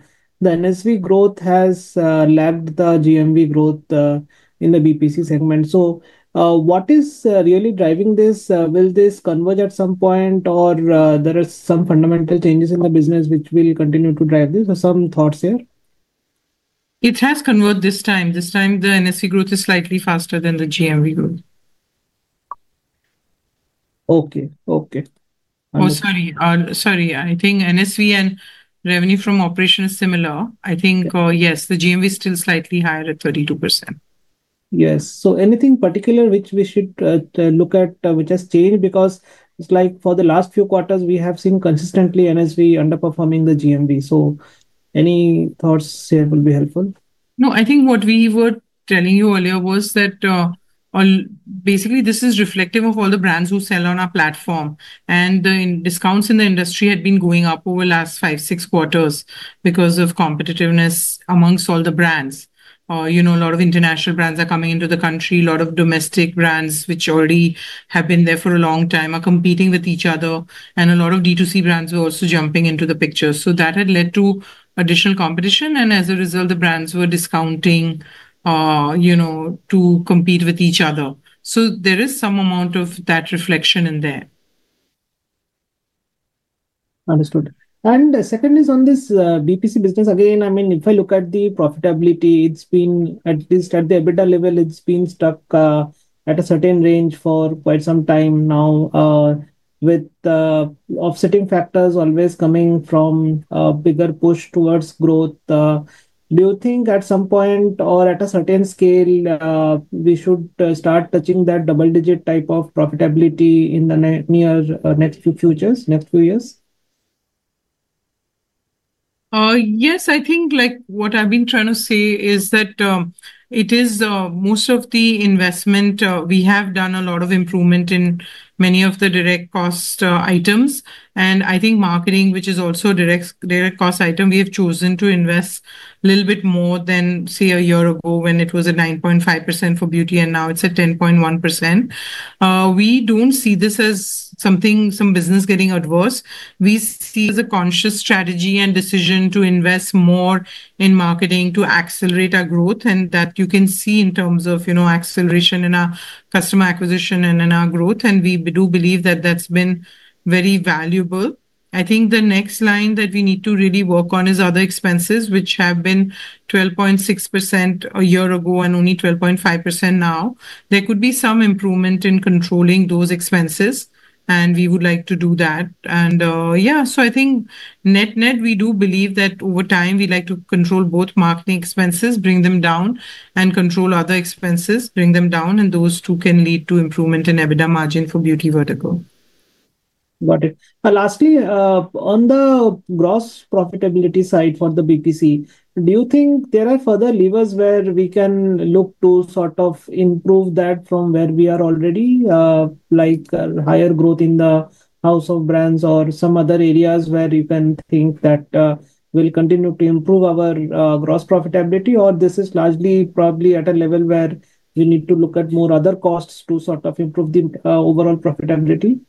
NSV growth has lagged the GMV growth in the BPC segment. So what is really driving this? Will this converge at some point, or there are some fundamental changes in the business which will continue to drive this? Some thoughts here? It has converged this time. This time, the NSV growth is slightly faster than the GMV growth. Okay. Okay. Oh, sorry. Sorry. I think NSV and revenue from operations is similar. I think, yes, the GMV is still slightly higher at 32%. Yes. So anything particular which we should look at which has changed? Because it's like for the last few quarters, we have seen consistently NSV underperforming the GMV. So any thoughts here will be helpful? No, I think what we were telling you earlier was that basically, this is reflective of all the brands who sell on our platform. And discounts in the industry had been going up over the last five, six quarters because of competitiveness amongst all the brands. A lot of international brands are coming into the country. A lot of domestic brands which already have been there for a long time are competing with each other. And a lot of D2C brands were also jumping into the picture. So that had led to additional competition. And as a result, the brands were discounting to compete with each other. So there is some amount of that reflection in there. Understood, and second is on this BPC business. Again, I mean, if I look at the profitability, it's been at least at the EBITDA level. It's been stuck at a certain range for quite some time now with offsetting factors always coming from a bigger push towards growth. Do you think at some point or at a certain scale, we should start touching that double-digit type of profitability in the near next few quarters, next few years? Yes. I think what I've been trying to say is that it is most of the investment. We have done a lot of improvement in many of the direct cost items, and I think marketing, which is also a direct cost item, we have chosen to invest a little bit more than, say, a year ago when it was at 9.5% for beauty, and now it's at 10.1%. We don't see this as something that's adversely affecting the business. We see it as a conscious strategy and decision to invest more in marketing to accelerate our growth, and that you can see in terms of acceleration in our customer acquisition and in our growth, and we do believe that that's been very valuable. I think the next line that we need to really work on is other expenses, which have been 12.6% a year ago and only 12.5% now. There could be some improvement in controlling those expenses, and we would like to do that. And yeah, so I think net net, we do believe that over time, we like to control both marketing expenses, bring them down, and control other expenses, bring them down, and those two can lead to improvement in EBITDA margin for beauty vertical. Got it. Lastly, on the gross profitability side for the BPC, do you think there are further levers where we can look to sort of improve that from where we are already, like higher growth in the house of brands or some other areas where you can think that we'll continue to improve our gross profitability, or this is largely probably at a level where we need to look at more other costs to sort of improve the overall profitability?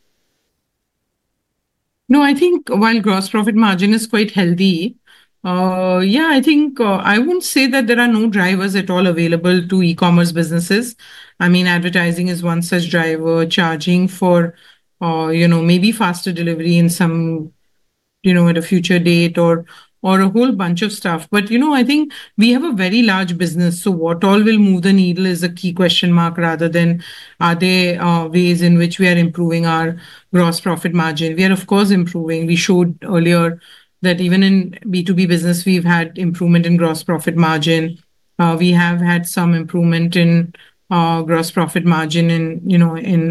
No, I think while gross profit margin is quite healthy, yeah, I think I wouldn't say that there are no drivers at all available to e-commerce businesses. I mean, advertising is one such driver, charging for maybe faster delivery at a future date or a whole bunch of stuff. But I think we have a very large business. So what all will move the needle is a key question mark rather than are there ways in which we are improving our gross profit margin. We are, of course, improving. We showed earlier that even in B2B business, we've had improvement in gross profit margin. We have had some improvement in gross profit margin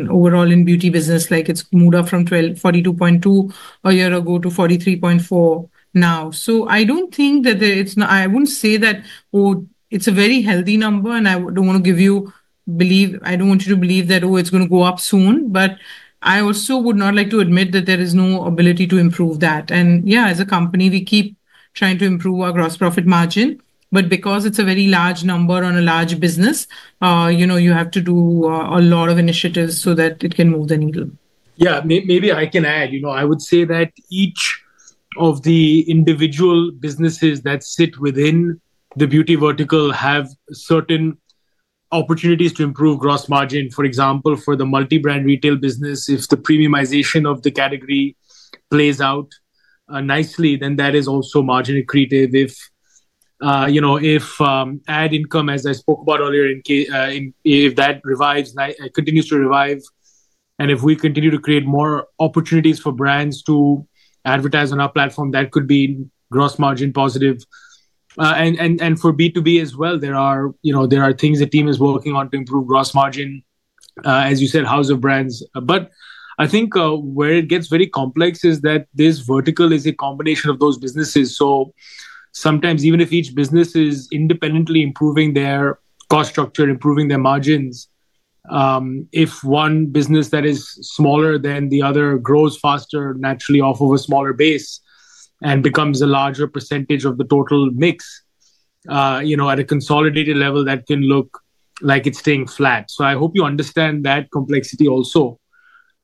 overall in beauty business. It's moved up from 42.2% a year ago to 43.4% now. So, I don't think that. It's, I wouldn't say that. Oh, it's a very healthy number, and I don't want you to believe that, oh, it's going to go up soon. But I also would not like to admit that there is no ability to improve that. And yeah, as a company, we keep trying to improve our gross profit margin. But because it's a very large number on a large business, you have to do a lot of initiatives so that it can move the needle. Yeah. Maybe I can add. I would say that each of the individual businesses that sit within the beauty vertical have certain opportunities to improve gross margin. For example, for the multi-brand retail business, if the premiumization of the category plays out nicely, then that is also margin accretive. If ad income, as I spoke about earlier, if that continues to revive and if we continue to create more opportunities for brands to advertise on our platform, that could be gross margin positive. And for B2B as well, there are things the team is working on to improve gross margin, as you said, house of brands. But I think where it gets very complex is that this vertical is a combination of those businesses. So sometimes, even if each business is independently improving their cost structure, improving their margins, if one business that is smaller than the other grows faster naturally off of a smaller base and becomes a larger percentage of the total mix at a consolidated level, that can look like it's staying flat. So I hope you understand that complexity also.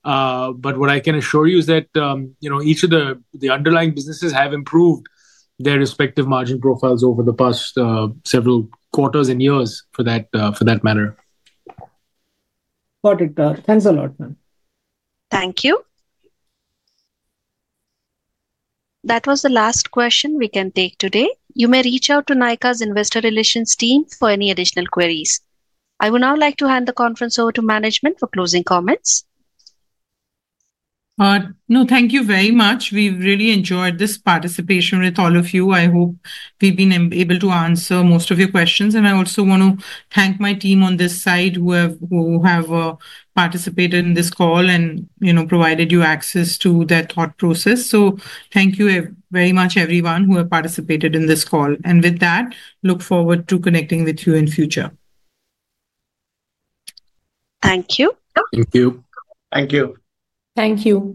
But what I can assure you is that each of the underlying businesses have improved their respective margin profiles over the past several quarters and years for that matter. Got it. Thanks a lot, man. Thank you. That was the last question we can take today. You may reach out to Nykaa's investor relations team for any additional queries. I would now like to hand the conference over to management for closing comments. No, thank you very much. We've really enjoyed this participation with all of you. I hope we've been able to answer most of your questions, and I also want to thank my team on this side who have participated in this call and provided you access to that thought process, so thank you very much, everyone who have participated in this call, and with that, look forward to connecting with you in future. Thank you. Thank you. Thank you. Thank you.